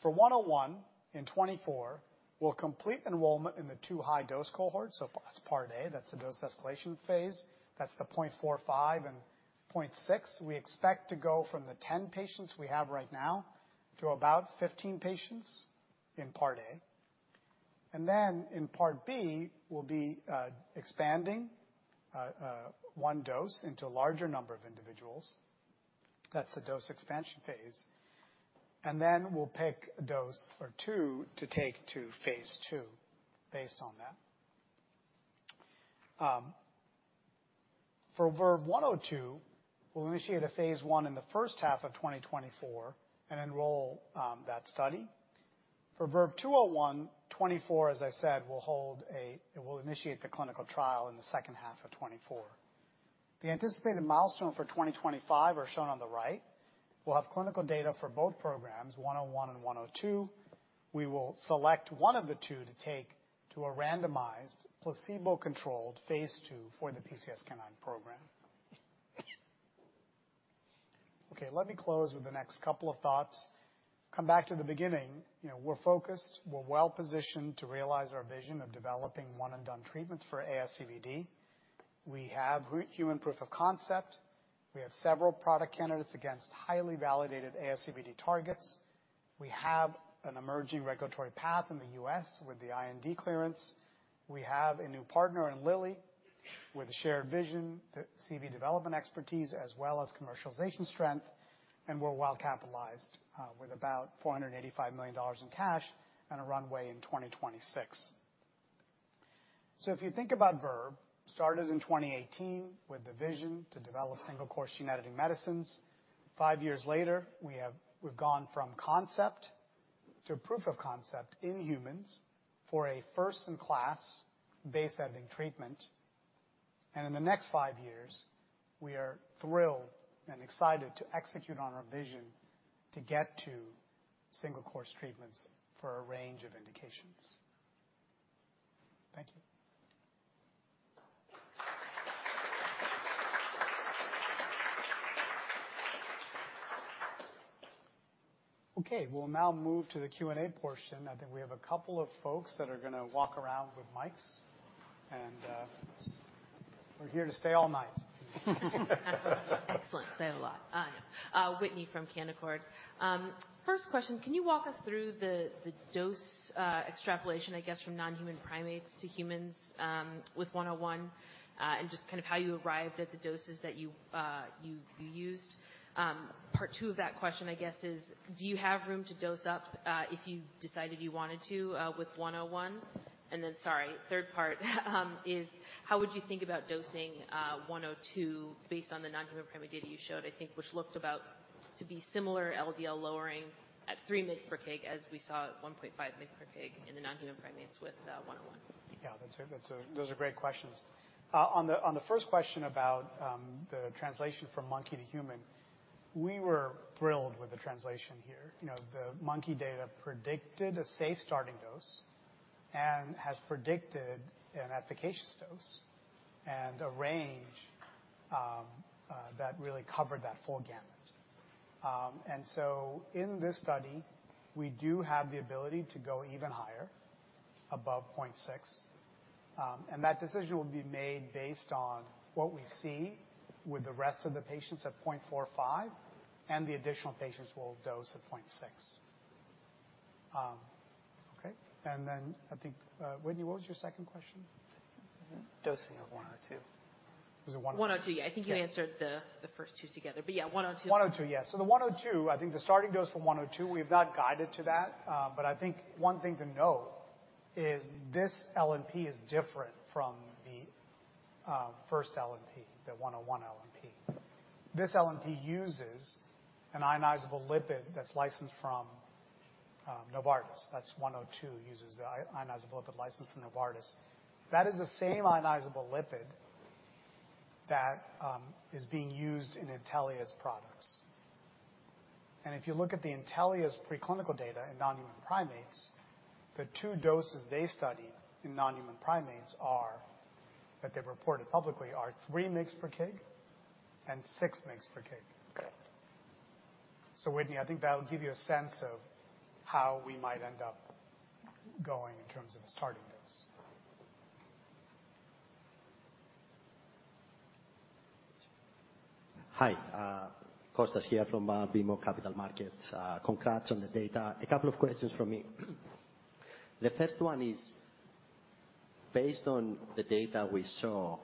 Speaker 2: For VERVE-101, in 2024, we'll complete enrollment in the 2 high dose cohorts. So that's Part A, that's the dose escalation phase. That's the 0.45 and 0.6. We expect to go from the 10 patients we have right now to about 15 patients in Part A. And then Part B, we'll be expanding 1 dose into a larger number of individuals. That's the dose expansion phase. And then we'll pick a dose or two to take to Phase II based on that. For VERVE-102, we'll initiate a Phase I in the first half of 2024 and enroll that study. For VERVE-201, 2024, as I said, will hold a... We'll initiate the clinical trial in the second half of 2024. The anticipated milestone for 2025 are shown on the right. We'll have clinical data for both programs, 101 and 102. We will select one of the two to take to a randomized, placebo-controlled Phase II for the PCSK9 program. Okay, let me close with the next couple of thoughts. Come back to the beginning. You know, we're focused, we're well-positioned to realize our vision of developing one and done treatments for ASCVD. We have root human proof of concept.... We have several product candidates against highly validated ASCVD targets. We have an emerging regulatory path in the U.S. with the IND clearance. We have a new partner in Lilly, with a shared vision, the CV development expertise, as well as commercialization strength, and we're well capitalized with about $485 million in cash and a runway in 2026. So if you think about Verve, started in 2018 with the vision to develop single-course gene editing medicines. Five years later, we've gone from concept to proof of concept in humans for a first-in-class base editing treatment. And in the next five years, we are thrilled and excited to execute on our vision to get to single-course treatments for a range of indications. Thank you. Okay, we'll now move to the Q&A portion. I think we have a couple of folks that are gonna walk around with mics, and we're here to stay all night.
Speaker 5: Excellent. Say a lot. Whitney from Canaccord. First question, can you walk us through the dose extrapolation, I guess, from non-human primates to humans with 101? And just kind of how you arrived at the doses that you used. Part two of that question, I guess is: Do you have room to dose up if you decided you wanted to with 101? And then sorry, third part is how would you think about dosing 102 based on the non-human primate data you showed, I think, which looked about to be similar LDL lowering at 3 mg per kg, as we saw at 1.5 mg per kg in the non-human primates with 101.
Speaker 2: Yeah, that's a, that's a... Those are great questions. On the first question about the translation from monkey to human, we were thrilled with the translation here. You know, the monkey data predicted a safe starting dose and has predicted an efficacious dose and a range that really covered that full gamut. And so in this study, we do have the ability to go even higher, above 0.6, and that decision will be made based on what we see with the rest of the patients at 0.45, and the additional patients will dose at 0.6. Okay, and then I think, Whitney, what was your second question? Dosing of 102. Was it one-
Speaker 5: 102. Yeah.
Speaker 2: Yeah.
Speaker 5: I think you answered the first two together, but yeah, 102.
Speaker 2: 102, yes. So the 102, I think the starting dose for 102, we've not guided to that, but I think one thing to note is this LNP is different from the first LNP, the 101 LNP. This LNP uses an ionizable lipid that's licensed from Novartis. That's 102 uses the ionizable lipid license from Novartis. That is the same ionizable lipid that is being used in Intellia's products. And if you look at the Intellia's preclinical data in non-human primates, the two doses they studied in non-human primates that they've reported publicly are 3 mg/kg and 6 mg/kg.
Speaker 5: Correct.
Speaker 2: So, Whitney, I think that will give you a sense of how we might end up going in terms of the starting dose.
Speaker 6: Hi, Kostas here from BMO Capital Markets. Congrats on the data. A couple of questions from me. The first one is, based on the data we saw,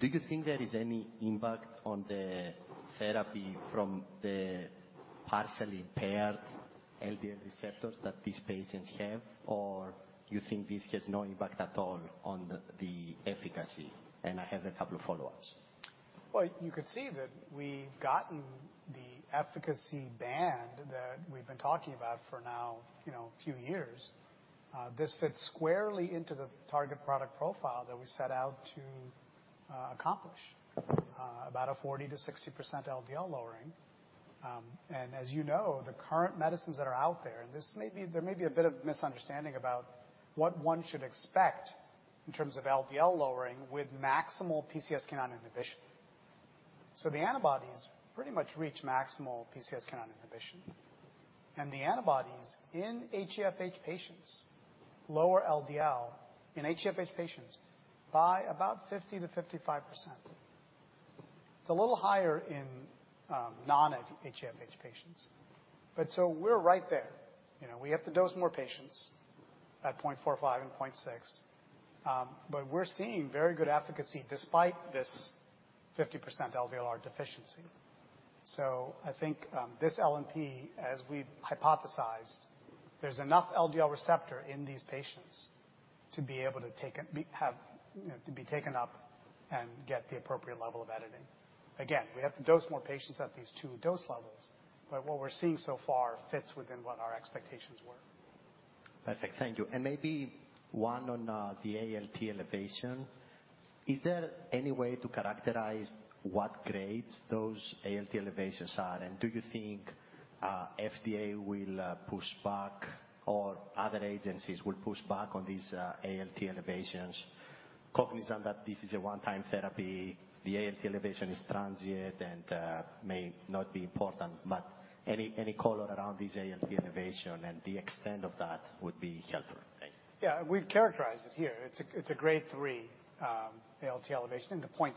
Speaker 6: do you think there is any impact on the therapy from the partially impaired LDL receptors that these patients have? Or you think this has no impact at all on the efficacy? And I have a couple of follow-ups.
Speaker 2: Well, you could see that we've gotten the efficacy band that we've been talking about for now, you know, a few years. This fits squarely into the target product profile that we set out to, accomplish. About a 40%-60% LDL lowering. And as you know, the current medicines that are out there, and this may be... There may be a bit of misunderstanding about what one should expect in terms of LDL lowering with maximal PCSK9 inhibition. So the antibodies pretty much reach maximal PCSK9 inhibition, and the antibodies in HeFH patients lower LDL in HeFH patients by about 50%-55%. It's a little higher in, non-HeFH patients, but so we're right there. You know, we have to dose more patients at 0.45 and 0.6. But we're seeing very good efficacy despite this 50% LDL-R deficiency. So I think, this LNP, as we've hypothesized, there's enough LDL receptor in these patients to be able to take it... You know, to be taken up and get the appropriate level of editing. Again, we have to dose more patients at these two dose levels, but what we're seeing so far fits within what our expectations were.
Speaker 6: Perfect. Thank you. And maybe one on the ALT elevation. Is there any way to characterize what grades those ALT elevations are? And do you think FDA will push back or other agencies will push back on these ALT elevations, cognizant that this is a one-time therapy, the ALT elevation is transient and may not be important, but any color around this ALT elevation and the extent of that would be helpful. Thank you.
Speaker 2: Yeah, we've characterized it here. It's a Grade 3 ALT elevation in the 0.6.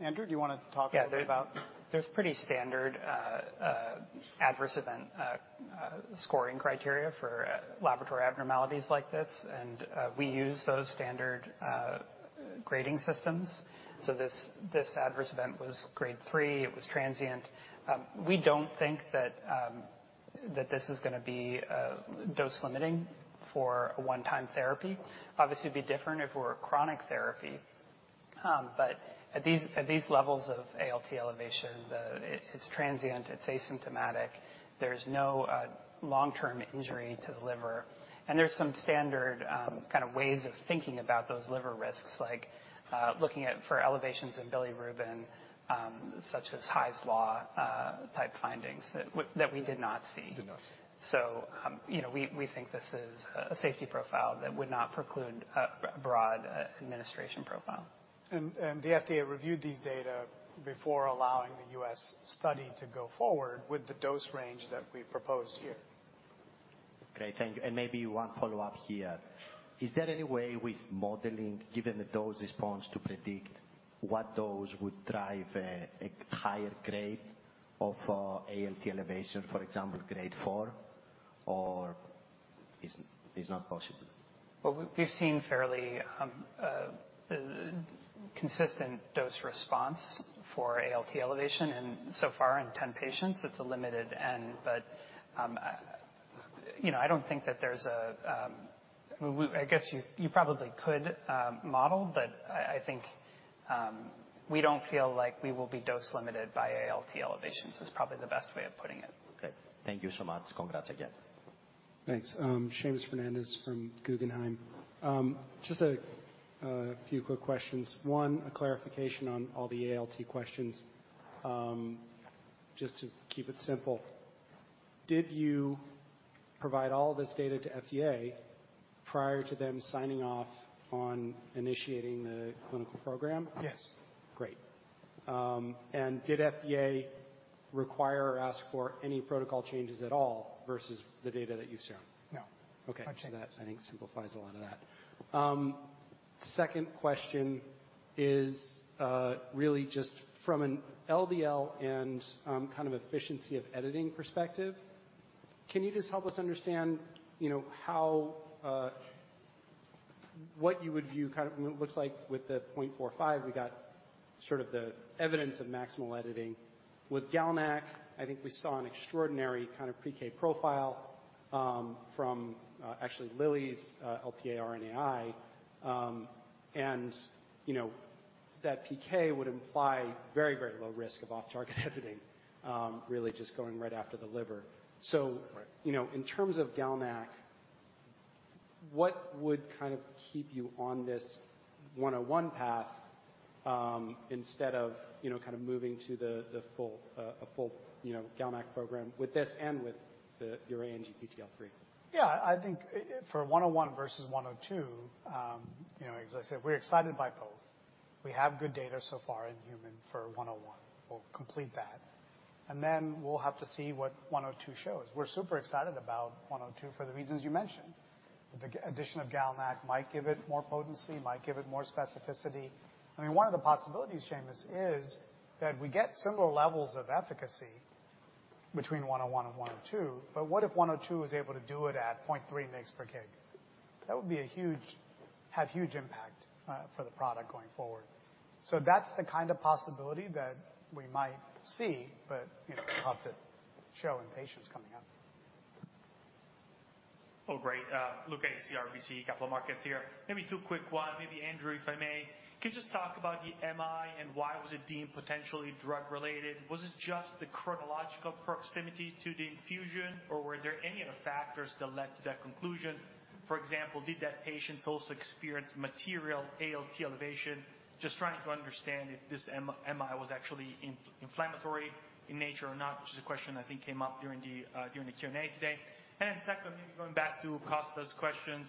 Speaker 2: Andrew, do you want to talk a bit about?
Speaker 4: Yeah. There's pretty standard adverse event scoring criteria for laboratory abnormalities like this, and we use those standard grading systems. So this adverse event was grade 3. It was transient. We don't think that this is gonna be dose limiting for a one-time therapy. Obviously, it'd be different if we're a chronic therapy. But at these levels of ALT elevation, it's transient, it's asymptomatic, there's no long-term injury to the liver. And there's some standard kind of ways of thinking about those liver risks, like looking at for elevations in bilirubin, such as Hy's law type findings that we did not see.
Speaker 2: Did not see.
Speaker 4: So, you know, we think this is a safety profile that would not preclude a broad administration profile.
Speaker 2: The FDA reviewed these data before allowing the U.S. study to go forward with the dose range that we've proposed here.
Speaker 6: Great, thank you. Maybe one follow-up here. Is there any way with modeling, given the dose response, to predict what dose would drive a higher grade of ALT elevation, for example, Grade 4, or it's not possible?
Speaker 4: Well, we've seen fairly consistent dose response for ALT elevation, and so far in 10 patients, it's a limited n. But, you know, I don't think that there's a... We-- I guess you probably could model, but I think we don't feel like we will be dose limited by ALT elevations, is probably the best way of putting it.
Speaker 6: Okay. Thank you so much. Congrats again.
Speaker 7: Thanks. Seamus Fernandez from Guggenheim. Just a few quick questions. One, a clarification on all the ALT questions. Just to keep it simple, did you provide all this data to FDA prior to them signing off on initiating the clinical program?
Speaker 2: Yes.
Speaker 7: Great. Did FDA require or ask for any protocol changes at all versus the data that you saw?
Speaker 2: No.
Speaker 7: Okay.
Speaker 2: Absolutely.
Speaker 7: So that, I think, simplifies a lot of that. Second question is, really just from an LDL and, kind of efficiency of editing perspective, can you just help us understand, you know, how, what you would view kind of looks like with the 0.45, we got sort of the evidence of maximal editing. With GalNAc, I think we saw an extraordinary kind of PK profile, from, actually Lilly's, Lp(a) RNAi. And, you know, that PK would imply very, very low risk of off-target editing, really just going right after the liver. So-
Speaker 2: Right.
Speaker 7: You know, in terms of GalNAc, what would kind of keep you on this 101 path, instead of, you know, kind of moving to the full GalNAc program with this and with your ANGPTL3?
Speaker 2: Yeah, I think for 101 versus 102, you know, as I said, we're excited by both. We have good data so far in humans for 101. We'll complete that, and then we'll have to see what 102 shows. We're super excited about 102 for the reasons you mentioned. The addition of GalNAc might give it more potency, might give it more specificity. I mean, one of the possibilities, Seamus, is that we get similar levels of efficacy between 101 and 102, but what if 102 is able to do it at 0.3 mg/kg? That would be a huge impact for the product going forward. So that's the kind of possibility that we might see, but, you know, we'll have to show in patients coming up.
Speaker 8: Oh, great. Luca Issi, RBC Capital Markets here. Maybe two quick ones, maybe Andrew, if I may. Can you just talk about the MI and why was it deemed potentially drug related? Was it just the chronological proximity to the infusion, or were there any other factors that led to that conclusion? For example, did that patient also experience material ALT elevation? Just trying to understand if this MI was actually inflammatory in nature or not, which is a question I think came up during the Q&A today. And then second, maybe going back to Kostas's questions,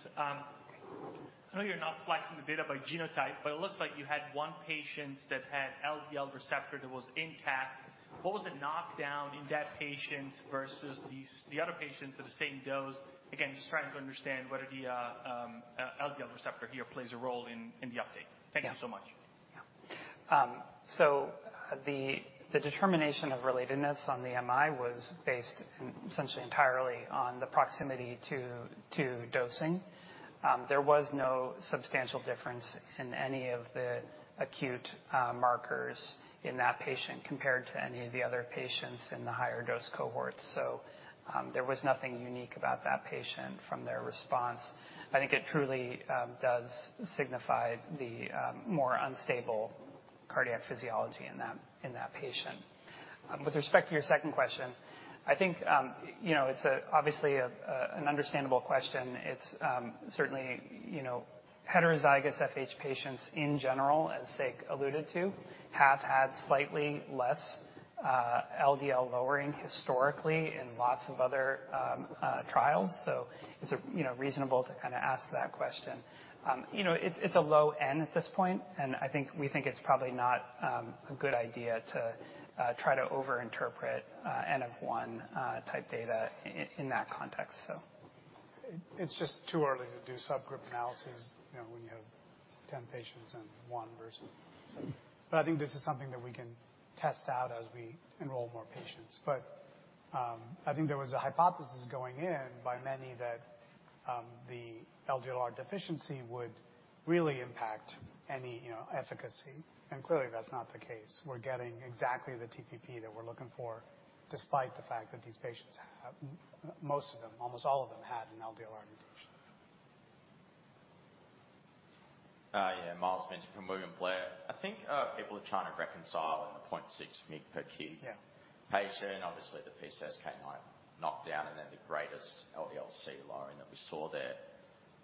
Speaker 8: I know you're not slicing the data by genotype, but it looks like you had one patient that had LDL receptor that was intact. What was the knockdown in that patient versus the other patients at the same dose? Again, just trying to understand whether the LDL receptor here plays a role in the update.
Speaker 4: Yeah.
Speaker 8: Thank you so much.
Speaker 4: Yeah. So the determination of relatedness on the MI was based essentially entirely on the proximity to dosing. There was no substantial difference in any of the acute markers in that patient compared to any of the other patients in the higher dose cohorts. So there was nothing unique about that patient from their response. I think it truly does signify the more unstable cardiac physiology in that patient. With respect to your second question, I think, you know, it's obviously an understandable question. It's certainly, you know, heterozygous FH patients in general, as Sek alluded to, have had slightly less LDL lowering historically in lots of other trials. So it's, you know, reasonable to kinda ask that question. You know, it's a low end at this point, and we think it's probably not a good idea to try to overinterpret N of one type data in that context, so.
Speaker 2: It's just too early to do subgroup analysis, you know, when you have 10 patients and one person. So but I think this is something that we can test out as we enroll more patients. But I think there was a hypothesis going in by many that the LDLR deficiency would really impact any, you know, efficacy, and clearly, that's not the case. We're getting exactly the TPP that we're looking for, despite the fact that these patients have, most of them, almost all of them, had an LDLR mutation.
Speaker 9: Yeah, Myles Minter from Morgan Stanley. I think people are trying to reconcile in the 0.6 mg/kg-
Speaker 2: Yeah.
Speaker 9: Patient. Obviously, the PCSK9 knockdown and then the greatest LDL-C lowering that we saw there.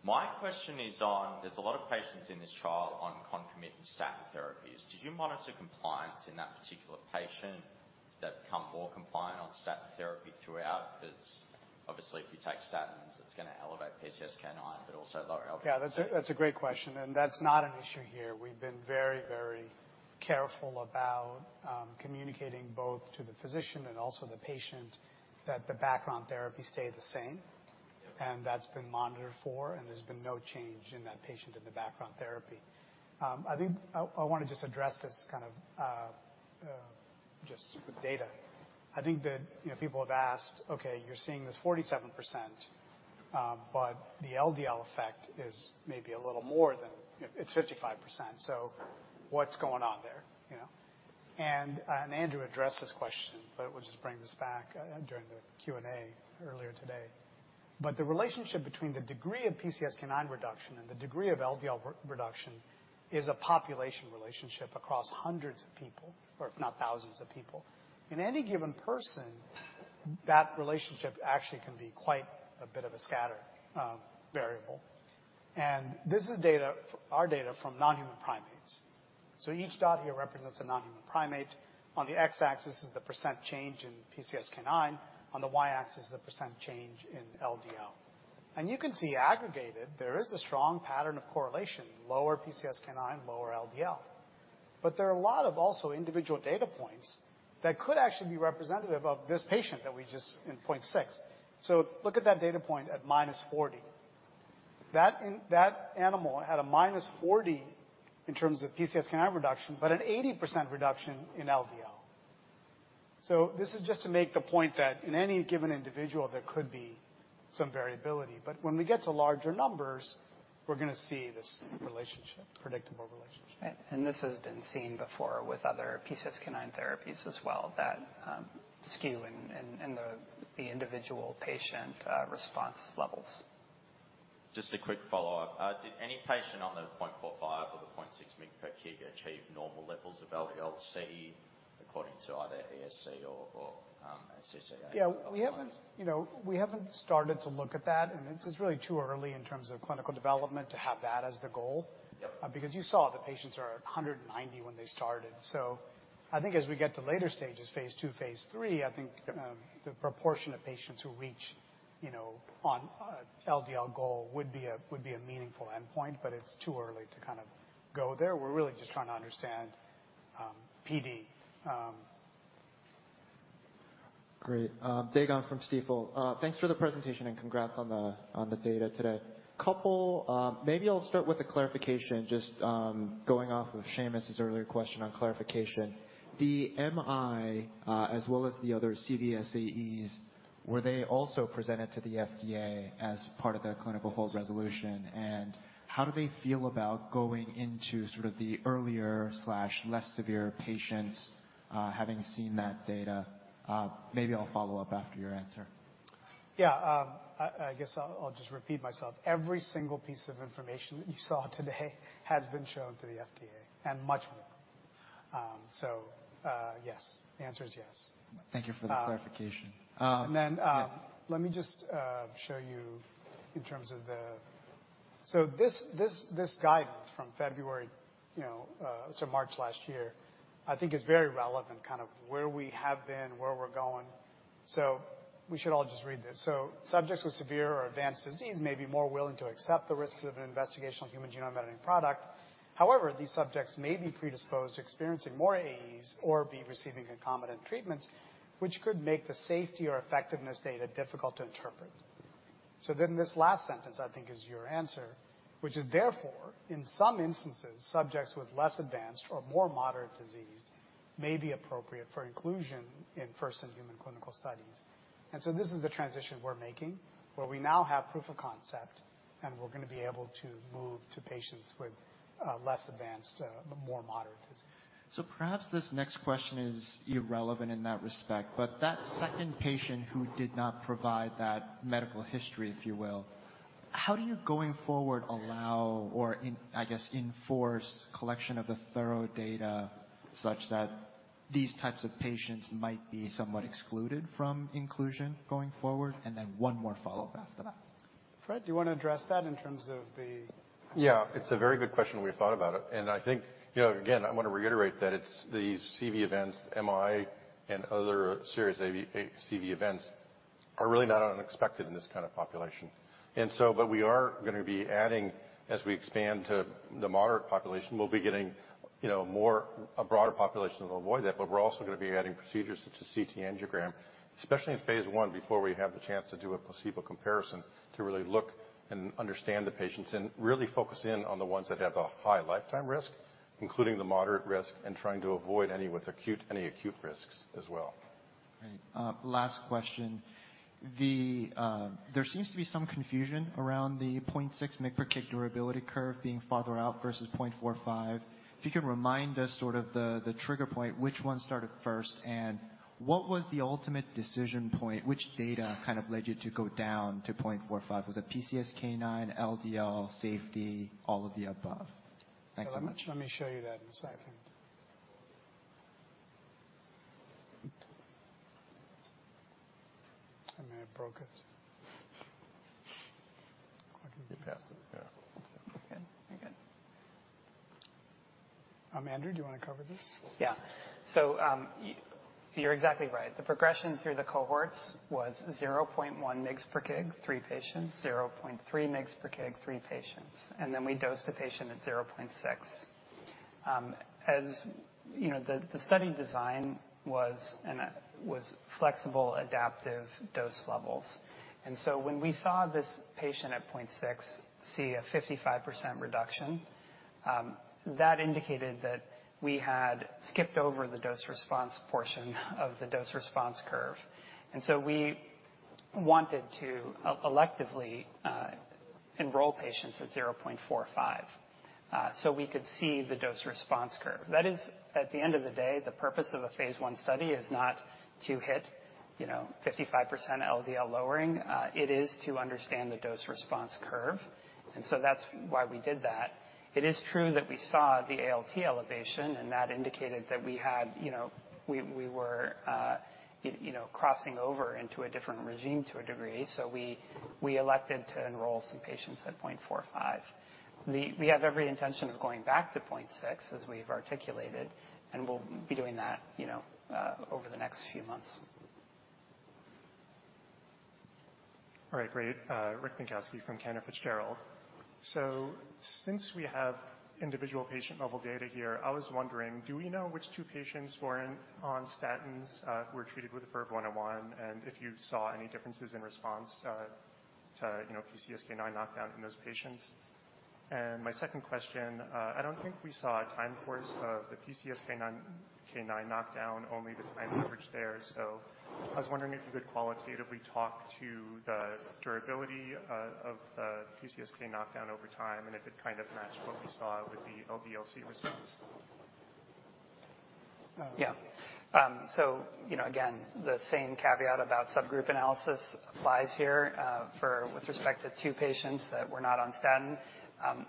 Speaker 9: My question is on, there's a lot of patients in this trial on concomitant statin therapies. Did you monitor compliance in that particular patient that become more compliant on statin therapy throughout? Because obviously, if you take statins, it's gonna elevate PCSK9, but also lower LDL-C.
Speaker 2: Yeah, that's a great question, and that's not an issue here. We've been very, very careful about communicating both to the physician and also the patient, that the background therapy stayed the same.
Speaker 9: Yeah.
Speaker 2: That's been monitored for, and there's no change in that patient in the background therapy. I think I wanna just address this kind of just data. I think that, you know, people have asked, "Okay, you're seeing this 47%, but the LDL effect is maybe a little more than... It's 55%. So what's going on there, you know?" And Andrew addressed this question, but we'll just bring this back during the Q&A earlier today. But the relationship between the degree of PCSK9 reduction and the degree of LDL reduction is a population relationship across hundreds of people or if not thousands of people. In any given person, that relationship actually can be quite a bit of a scatter variable. And this is data, our data from non-human primates. So each dot here represents a non-human primate. On the x-axis is the % change in PCSK9, on the y-axis is the % change in LDL. You can see aggregated, there is a strong pattern of correlation, lower PCSK9, lower LDL. But there are a lot of also individual data points that could actually be representative of this patient that we just in 0.6. So look at that data point at -40. That animal had a -40 in terms of PCSK9 reduction, but an 80% reduction in LDL. So this is just to make the point that in any given individual, there could be some variability, but when we get to larger numbers, we're gonna see this relationship, predictable relationship.
Speaker 4: This has been seen before with other PCSK9 therapies as well, that skew in the individual patient response levels.
Speaker 9: Just a quick follow-up. Did any patient on the 0.45 or the 0.6 mg per kg achieve normal levels of LDL-C, according to either ESC or ACC?
Speaker 2: Yeah, we haven't, you know, we haven't started to look at that, and this is really too early in terms of clinical development to have that as the goal.
Speaker 9: Yep.
Speaker 2: Because you saw the patients are at 190 when they started. So I think as we get to later stages, Phase II, Phase III, I think, the proportion of patients who reach, you know, on LDL goal would be a, would be a meaningful endpoint, but it's too early to kind of go there. We're really just trying to understand PD.
Speaker 10: Great. Dae Gon from Stifel. Thanks for the presentation and congrats on the data today. Couple, maybe I'll start with a clarification, just, going off of Seamus's earlier question on clarification. The MI, as well as the other CV SAEs, were they also presented to the FDA as part of their clinical hold resolution? And how do they feel about going into sort of the earlier slash less severe patients, having seen that data? Maybe I'll follow up after your answer.
Speaker 2: Yeah. I guess I'll just repeat myself. Every single piece of information that you saw today has been shown to the FDA and much more. Yes, the answer is yes.
Speaker 10: Thank you for the clarification.
Speaker 2: And then,
Speaker 10: Yeah.
Speaker 2: Let me just show you in terms of the... So this, this, this guidance from February, you know, so March last year, I think is very relevant, kind of where we have been, where we're going. So we should all just read this. "So subjects with severe or advanced disease may be more willing to accept the risks of an investigational human genome editing product. However, these subjects may be predisposed to experiencing more AEs or be receiving concomitant treatments, which could make the safety or effectiveness data difficult to interpret." So then this last sentence, I think, is your answer, which is: "Therefore, in some instances, subjects with less advanced or more moderate disease may be appropriate for inclusion in first-in-human clinical studies." And so this is the transition we're making, where we now have proof of concept, and we're gonna be able to move to patients with less advanced, more moderate disease.
Speaker 10: So perhaps this next question is irrelevant in that respect, but that second patient who did not provide that medical history, if you will, how do you, going forward, allow or enforce collection of the thorough data such that these types of patients might be somewhat excluded from inclusion going forward? And then one more follow-up after that.
Speaker 2: Fred, do you want to address that in terms of the-
Speaker 11: Yeah, it's a very good question, and we thought about it. I think, you know, again, I want to reiterate that it's these CV events, MI and other serious AV, CV events.... are really not unexpected in this kind of population. So, but we are going to be adding as we expand to the moderate population, we'll be getting, you know, more, a broader population to avoid that. But we're also going to be adding procedures such as CT angiogram, especially in Phase I, before we have the chance to do a placebo comparison, to really look and understand the patients and really focus in on the ones that have a high lifetime risk, including the moderate risk, and trying to avoid any with acute, any acute risks as well.
Speaker 10: Great. Last question. There seems to be some confusion around the 0.6 mg per kg durability curve being farther out versus 0.45. If you could remind us sort of the trigger point, which one started first, and what was the ultimate decision point? Which data kind of led you to go down to 0.45? Was it PCSK9, LDL, safety, all of the above? Thanks so much.
Speaker 2: Let me show you that in a second. I may have broke it.
Speaker 10: I can get past it, yeah.
Speaker 4: Okay, very good.
Speaker 2: Andrew, do you want to cover this?
Speaker 4: Yeah. So, you're exactly right. The progression through the cohorts was 0.1 mg/kg, 3 patients, 0.3 mg/kg, 3 patients, and then we dosed the patient at 0.6. As you know, the study design was flexible, adaptive dose levels. And so when we saw this patient at 0.6 see a 55% reduction, that indicated that we had skipped over the dose response portion of the dose response curve. And so we wanted to electively enroll patients at 0.45, so we could see the dose response curve. That is, at the end of the day, the purpose of a Phase I study is not to hit, you know, 55% LDL lowering. It is to understand the dose response curve, and so that's why we did that. It is true that we saw the ALT elevation, and that indicated that we had, you know, we were, you know, crossing over into a different regimen to a degree, so we elected to enroll some patients at 0.45. We have every intention of going back to 0.6, as we've articulated, and we'll be doing that, you know, over the next few months.
Speaker 12: All right. Great. Rick Bienkowski from Cantor Fitzgerald. So since we have individual patient-level data here, I was wondering, do we know which two patients were in on statins, who were treated with the VERVE-101, and if you saw any differences in response, to, you know, PCSK9 knockdown in those patients? And my second question, I don't think we saw a time course of the PCSK9 knockdown, only the time average there. So I was wondering if you could qualitatively talk to the durability, of PCSK9 knockdown over time, and if it kind of matched what we saw with the LDL-C response.
Speaker 4: Yeah. So you know, again, the same caveat about subgroup analysis applies here, for with respect to two patients that were not on statin.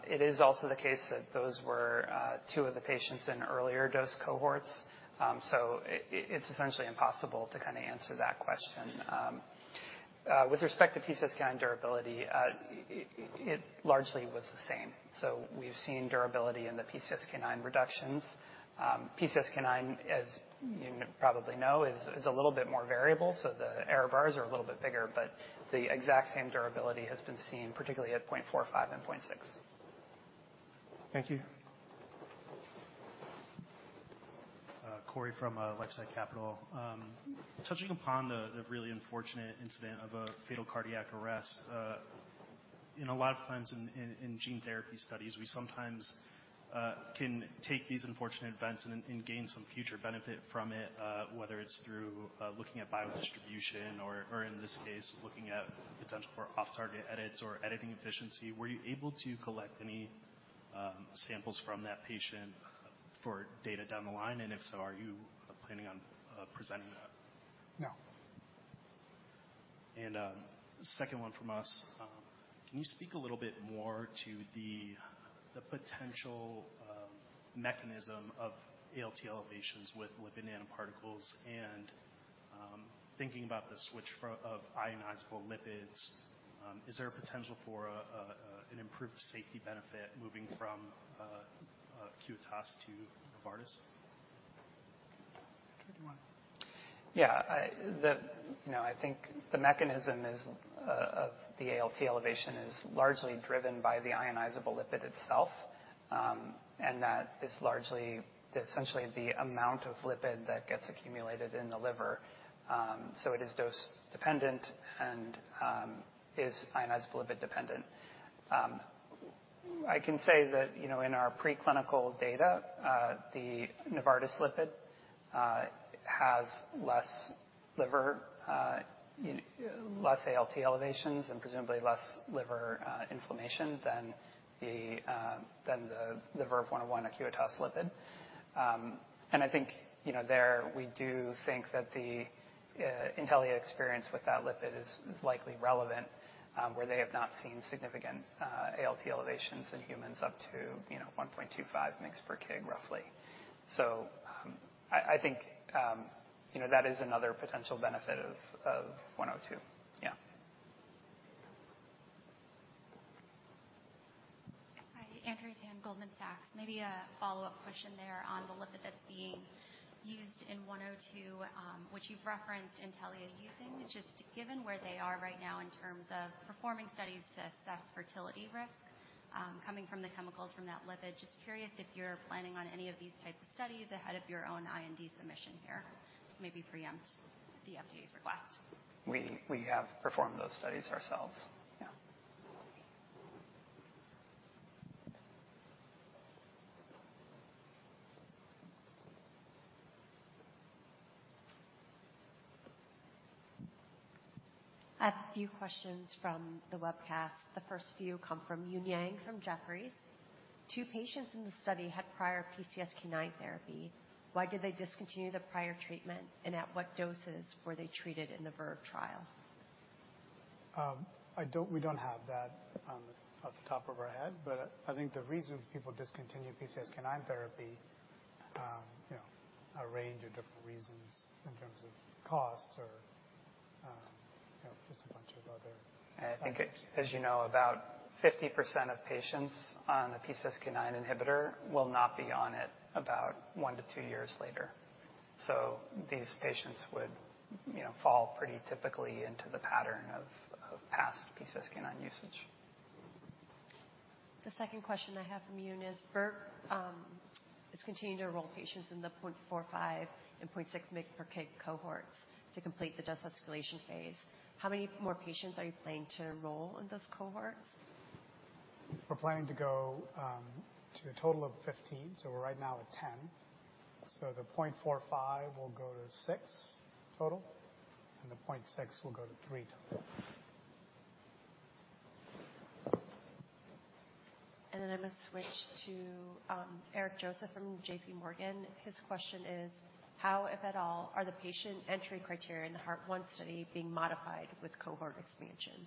Speaker 4: It is also the case that those were two of the patients in earlier dose cohorts. So it's essentially impossible to kind of answer that question. With respect to PCSK9 durability, it largely was the same. So we've seen durability in the PCSK9 reductions. PCSK9, as you probably know, is a little bit more variable, so the error bars are a little bit bigger, but the exact same durability has been seen, particularly at 0.45 and 0.6.
Speaker 12: Thank you.
Speaker 13: Cory from LifeSci Capital. Touching upon the really unfortunate incident of a fatal cardiac arrest. You know, a lot of times in gene therapy studies, we sometimes can take these unfortunate events and gain some future benefit from it. Whether it's through looking at biodistribution or in this case, looking at potential for off-target edits or editing efficiency. Were you able to collect any samples from that patient for data down the line? And if so, are you planning on presenting that?
Speaker 2: No.
Speaker 14: Second one from us. Can you speak a little bit more to the potential mechanism of ALT elevations with lipid nanoparticles? Thinking about the switch from of ionizable lipids, is there a potential for an improved safety benefit moving from Acuitas to Novartis?
Speaker 2: Do you want to?
Speaker 4: Yeah. You know, I think the mechanism is of the ALT elevation is largely driven by the ionizable lipid itself, and that is largely essentially the amount of lipid that gets accumulated in the liver. So it is dose dependent and is ionizable lipid dependent. I can say that, you know, in our preclinical data, the Novartis lipid has less liver, less ALT elevations and presumably less liver, inflammation than the VERVE-101 Acuitas lipid. And I think, you know, there we do think that the Intellia experience with that lipid is, is likely relevant, where they have not seen significant ALT elevations in humans up to, you know, 1.25 mg per kg, roughly. So, I think, you know, that is another potential benefit of 102. Yeah.
Speaker 15: Hey, Andrea Tan, Goldman Sachs. Maybe a follow-up question there on the lipid that's being used in 102, which you've referenced Intellia using. Just given where they are right now in terms of performing studies to assess fertility risk, coming from the chemicals from that lipid, just curious if you're planning on any of these types of studies ahead of your own IND submission here, to maybe preempt the FDA's request.
Speaker 4: We have performed those studies ourselves. Yeah.
Speaker 1: I have a few questions from the webcast. The first few come from Eun Yang, from Jefferies. Two patients in the study had prior PCSK9 therapy. Why did they discontinue the prior treatment, and at what doses were they treated in the VERVE trial?
Speaker 2: I don't—we don't have that on the off the top of our head. But I think the reasons people discontinue PCSK9 therapy, you know, a range of different reasons in terms of cost or, you know, just a bunch of other-
Speaker 4: I think, as you know, about 50% of patients on the PCSK9 inhibitor will not be on it about 1-2 years later. So these patients would, you know, fall pretty typically into the pattern of past PCSK9 usage.
Speaker 1: The second question I have from Eun is, Verve, it's continuing to enroll patients in the 0.45 and 0.6 mg per kg cohorts to complete the dose escalation phase. How many more patients are you planning to enroll in those cohorts?
Speaker 2: We're planning to go to a total of 15, so we're right now at 10. So the 0.45 will go to 6 total, and the 0.6 will go to 3 total.
Speaker 1: And then I'm going to switch to, Eric Joseph from JP Morgan. His question is: How, if at all, are the patient entry criteria in the Heart-1 study being modified with cohort expansion?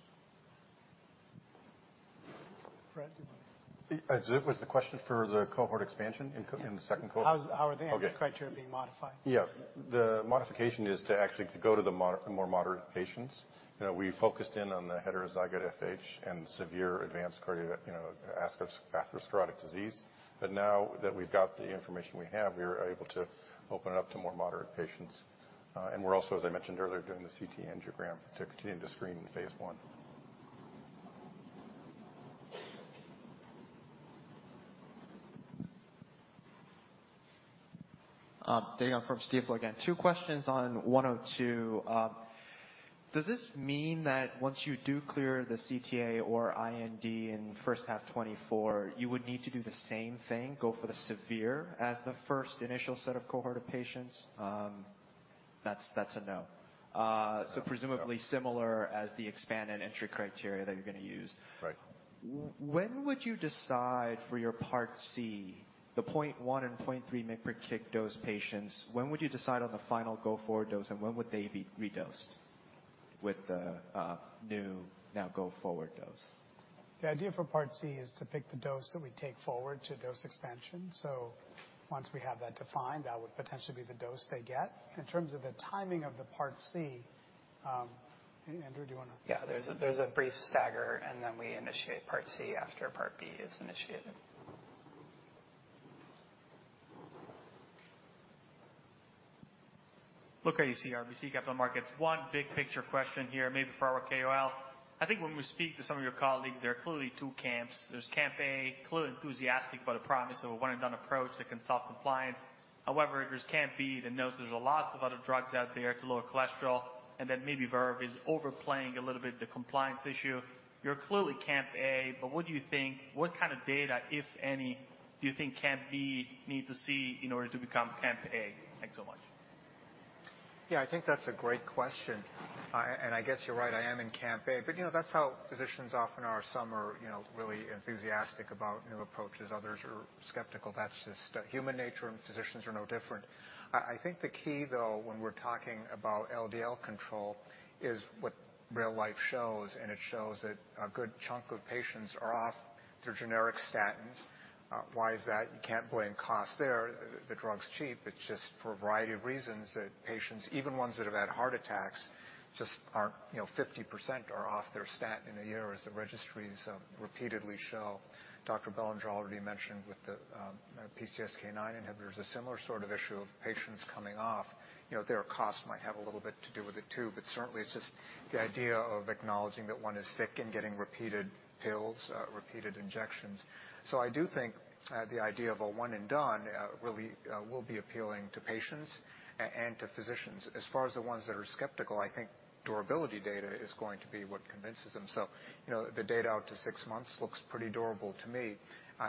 Speaker 2: Fred?
Speaker 11: Was the question for the cohort expansion in the second cohort?
Speaker 2: How are the-
Speaker 11: Okay.
Speaker 2: criteria being modified?
Speaker 11: Yeah. The modification is to actually go to the more moderate patients. You know, we focused in on the heterozygous FH and severe advanced cardiovascular, you know, atherosclerotic disease. But now that we've got the information we have, we are able to open it up to more moderate patients. And we're also, as I mentioned earlier, doing the CT angiogram to continue to screen in Phase I.
Speaker 10: Dae Gon from Stifel again. Two questions on 102. Does this mean that once you do clear the CTA or IND in first half 2024, you would need to do the same thing, go for the severe as the first initial set of cohort of patients? That's, that's a no.
Speaker 11: Yeah.
Speaker 15: So, presumably similar as the expanded entry criteria that you're going to use.
Speaker 11: Right.
Speaker 10: When would you decide for your Part C, the 0.1 and 0.3 mg per kg dose patients, when would you decide on the final go-forward dose, and when would they be redosed with the, new now go-forward dose?
Speaker 2: The idea for Part C is to pick the dose that we take forward to dose expansion. So once we have that defined, that would potentially be the dose they get. In terms of the timing of the Part C, Andrew, do you want to? Yeah. There's a brief stagger, and then we initiate Part C Part B is initiated.
Speaker 8: Luca Issi, RBC Capital Markets. One big picture question here, maybe for our KOL. I think when we speak to some of your colleagues, there are clearly two camps. There's camp A, clearly enthusiastic about the promise of a one-and-done approach that can solve compliance. However, there's camp B, that knows there's lots of other drugs out there to lower cholesterol, and that maybe VERVE is overplaying a little bit the compliance issue. You're clearly camp A, but what do you think? What kind of data, if any, do you think camp B need to see in order to become camp A? Thanks so much.
Speaker 4: Yeah, I think that's a great question. I guess you're right, I am in camp A. But, you know, that's how physicians often are. Some are, you know, really enthusiastic about new approaches, others are skeptical. That's just human nature, and physicians are no different. I think the key, though, when we're talking about LDL control, is what real-life shows, and it shows that a good chunk of patients are off their generic statins. Why is that? You can't blame cost there. The drug's cheap. It's just for a variety of reasons that patients, even ones that have had heart attacks, just aren't... You know, 50% are off their statin in a year, as the registries repeatedly show. Dr. Bellinger already mentioned with the PCSK9 inhibitors, a similar sort of issue of patients coming off. You know, their costs might have a little bit to do with it, too, but certainly, it's just the idea of acknowledging that one is sick and getting repeated pills, repeated injections. So I do think, the idea of a one and done, really, will be appealing to patients and to physicians. As far as the ones that are skeptical, I think durability data is going to be what convinces them. So, you know, the data out to six months looks pretty durable to me,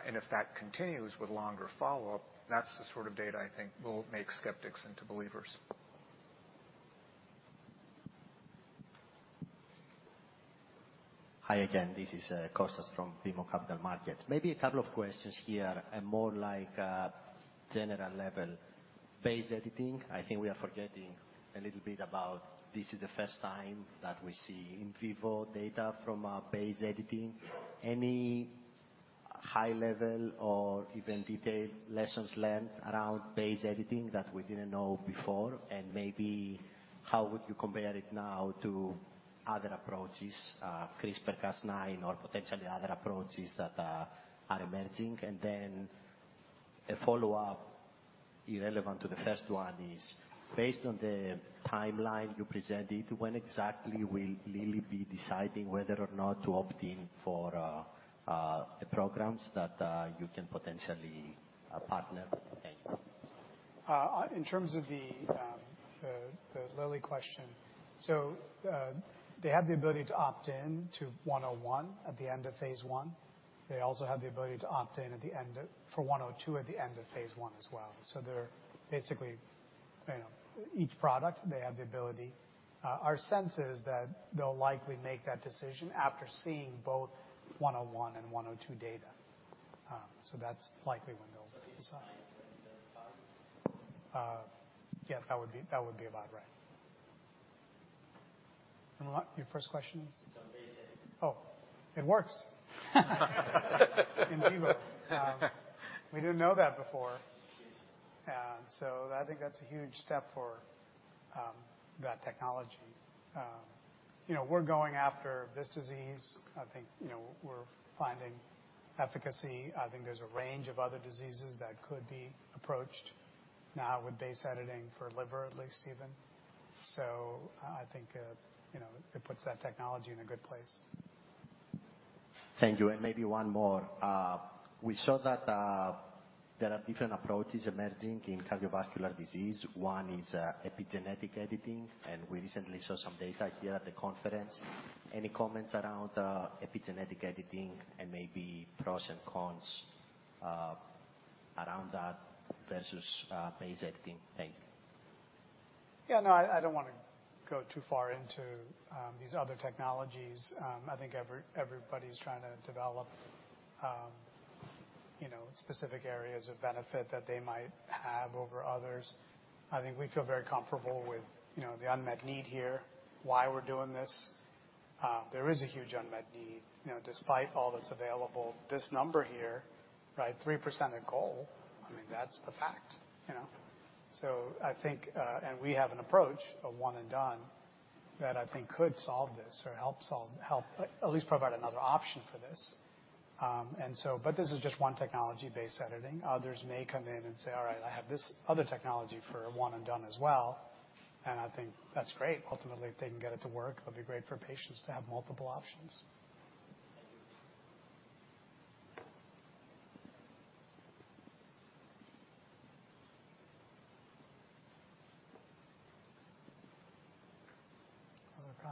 Speaker 4: and if that continues with longer follow-up, that's the sort of data I think will make skeptics into believers.
Speaker 6: Hi again, this is Kostas from BMO Capital Markets. Maybe a couple of questions here, and more like general level. Base editing, I think we are forgetting a little bit about this is the first time that we see in vivo data from base editing. Any high level or even detailed lessons learned around base editing that we didn't know before? And maybe how would you compare it now to other approaches, CRISPR-Cas9 or potentially other approaches that are emerging? And then a follow-up irrelevant to the first one is, based on the timeline you presented, when exactly will Lilly be deciding whether or not to opt in for the programs that you can potentially partner? Thank you.
Speaker 2: In terms of the Lilly question, so they have the ability to opt in to 101 at the end of Phase I. They also have the ability to opt in at the end of—for 102 at the end of Phase I as well. So they're basically, you know, each product, they have the ability. Our sense is that they'll likely make that decision after seeing both 101 and 102 data. So that's likely when they'll decide. Yeah, that would be, that would be about right. And what your first question is?
Speaker 6: The basic.
Speaker 2: Oh, it works. In vivo. We didn't know that before.
Speaker 6: Yes.
Speaker 2: And so I think that's a huge step for that technology. You know, we're going after this disease. I think, you know, we're finding efficacy. I think there's a range of other diseases that could be approached now with base editing for liver, at least even. So I think, you know, it puts that technology in a good place.
Speaker 6: Thank you. And maybe one more. We saw that there are different approaches emerging in cardiovascular disease. One is epigenetic editing, and we recently saw some data here at the conference. Any comments around epigenetic editing and maybe pros and cons around that versus base editing? Thank you.
Speaker 2: Yeah, no, I don't wanna go too far into these other technologies. I think everybody's trying to develop, you know, specific areas of benefit that they might have over others. I think we feel very comfortable with, you know, the unmet need here, why we're doing this. There is a huge unmet need. You know, despite all that's available, this number here, right, 3% of goal, I mean, that's a fact, you know? So I think... And we have an approach, a one and done, that I think could solve this or help solve, at least provide another option for this. But this is just one technology, base editing. Others may come in and say, "All right, I have this other technology for one and done as well," and I think that's great. Ultimately, if they can get it to work, it'll be great for patients to have multiple options.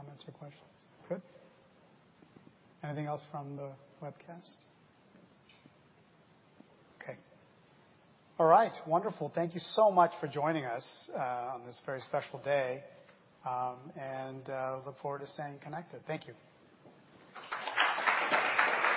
Speaker 6: Thank you.
Speaker 2: Other comments or questions? Good. Anything else from the webcast? Okay. All right, wonderful. Thank you so much for joining us on this very special day, and look forward to staying connected. Thank you.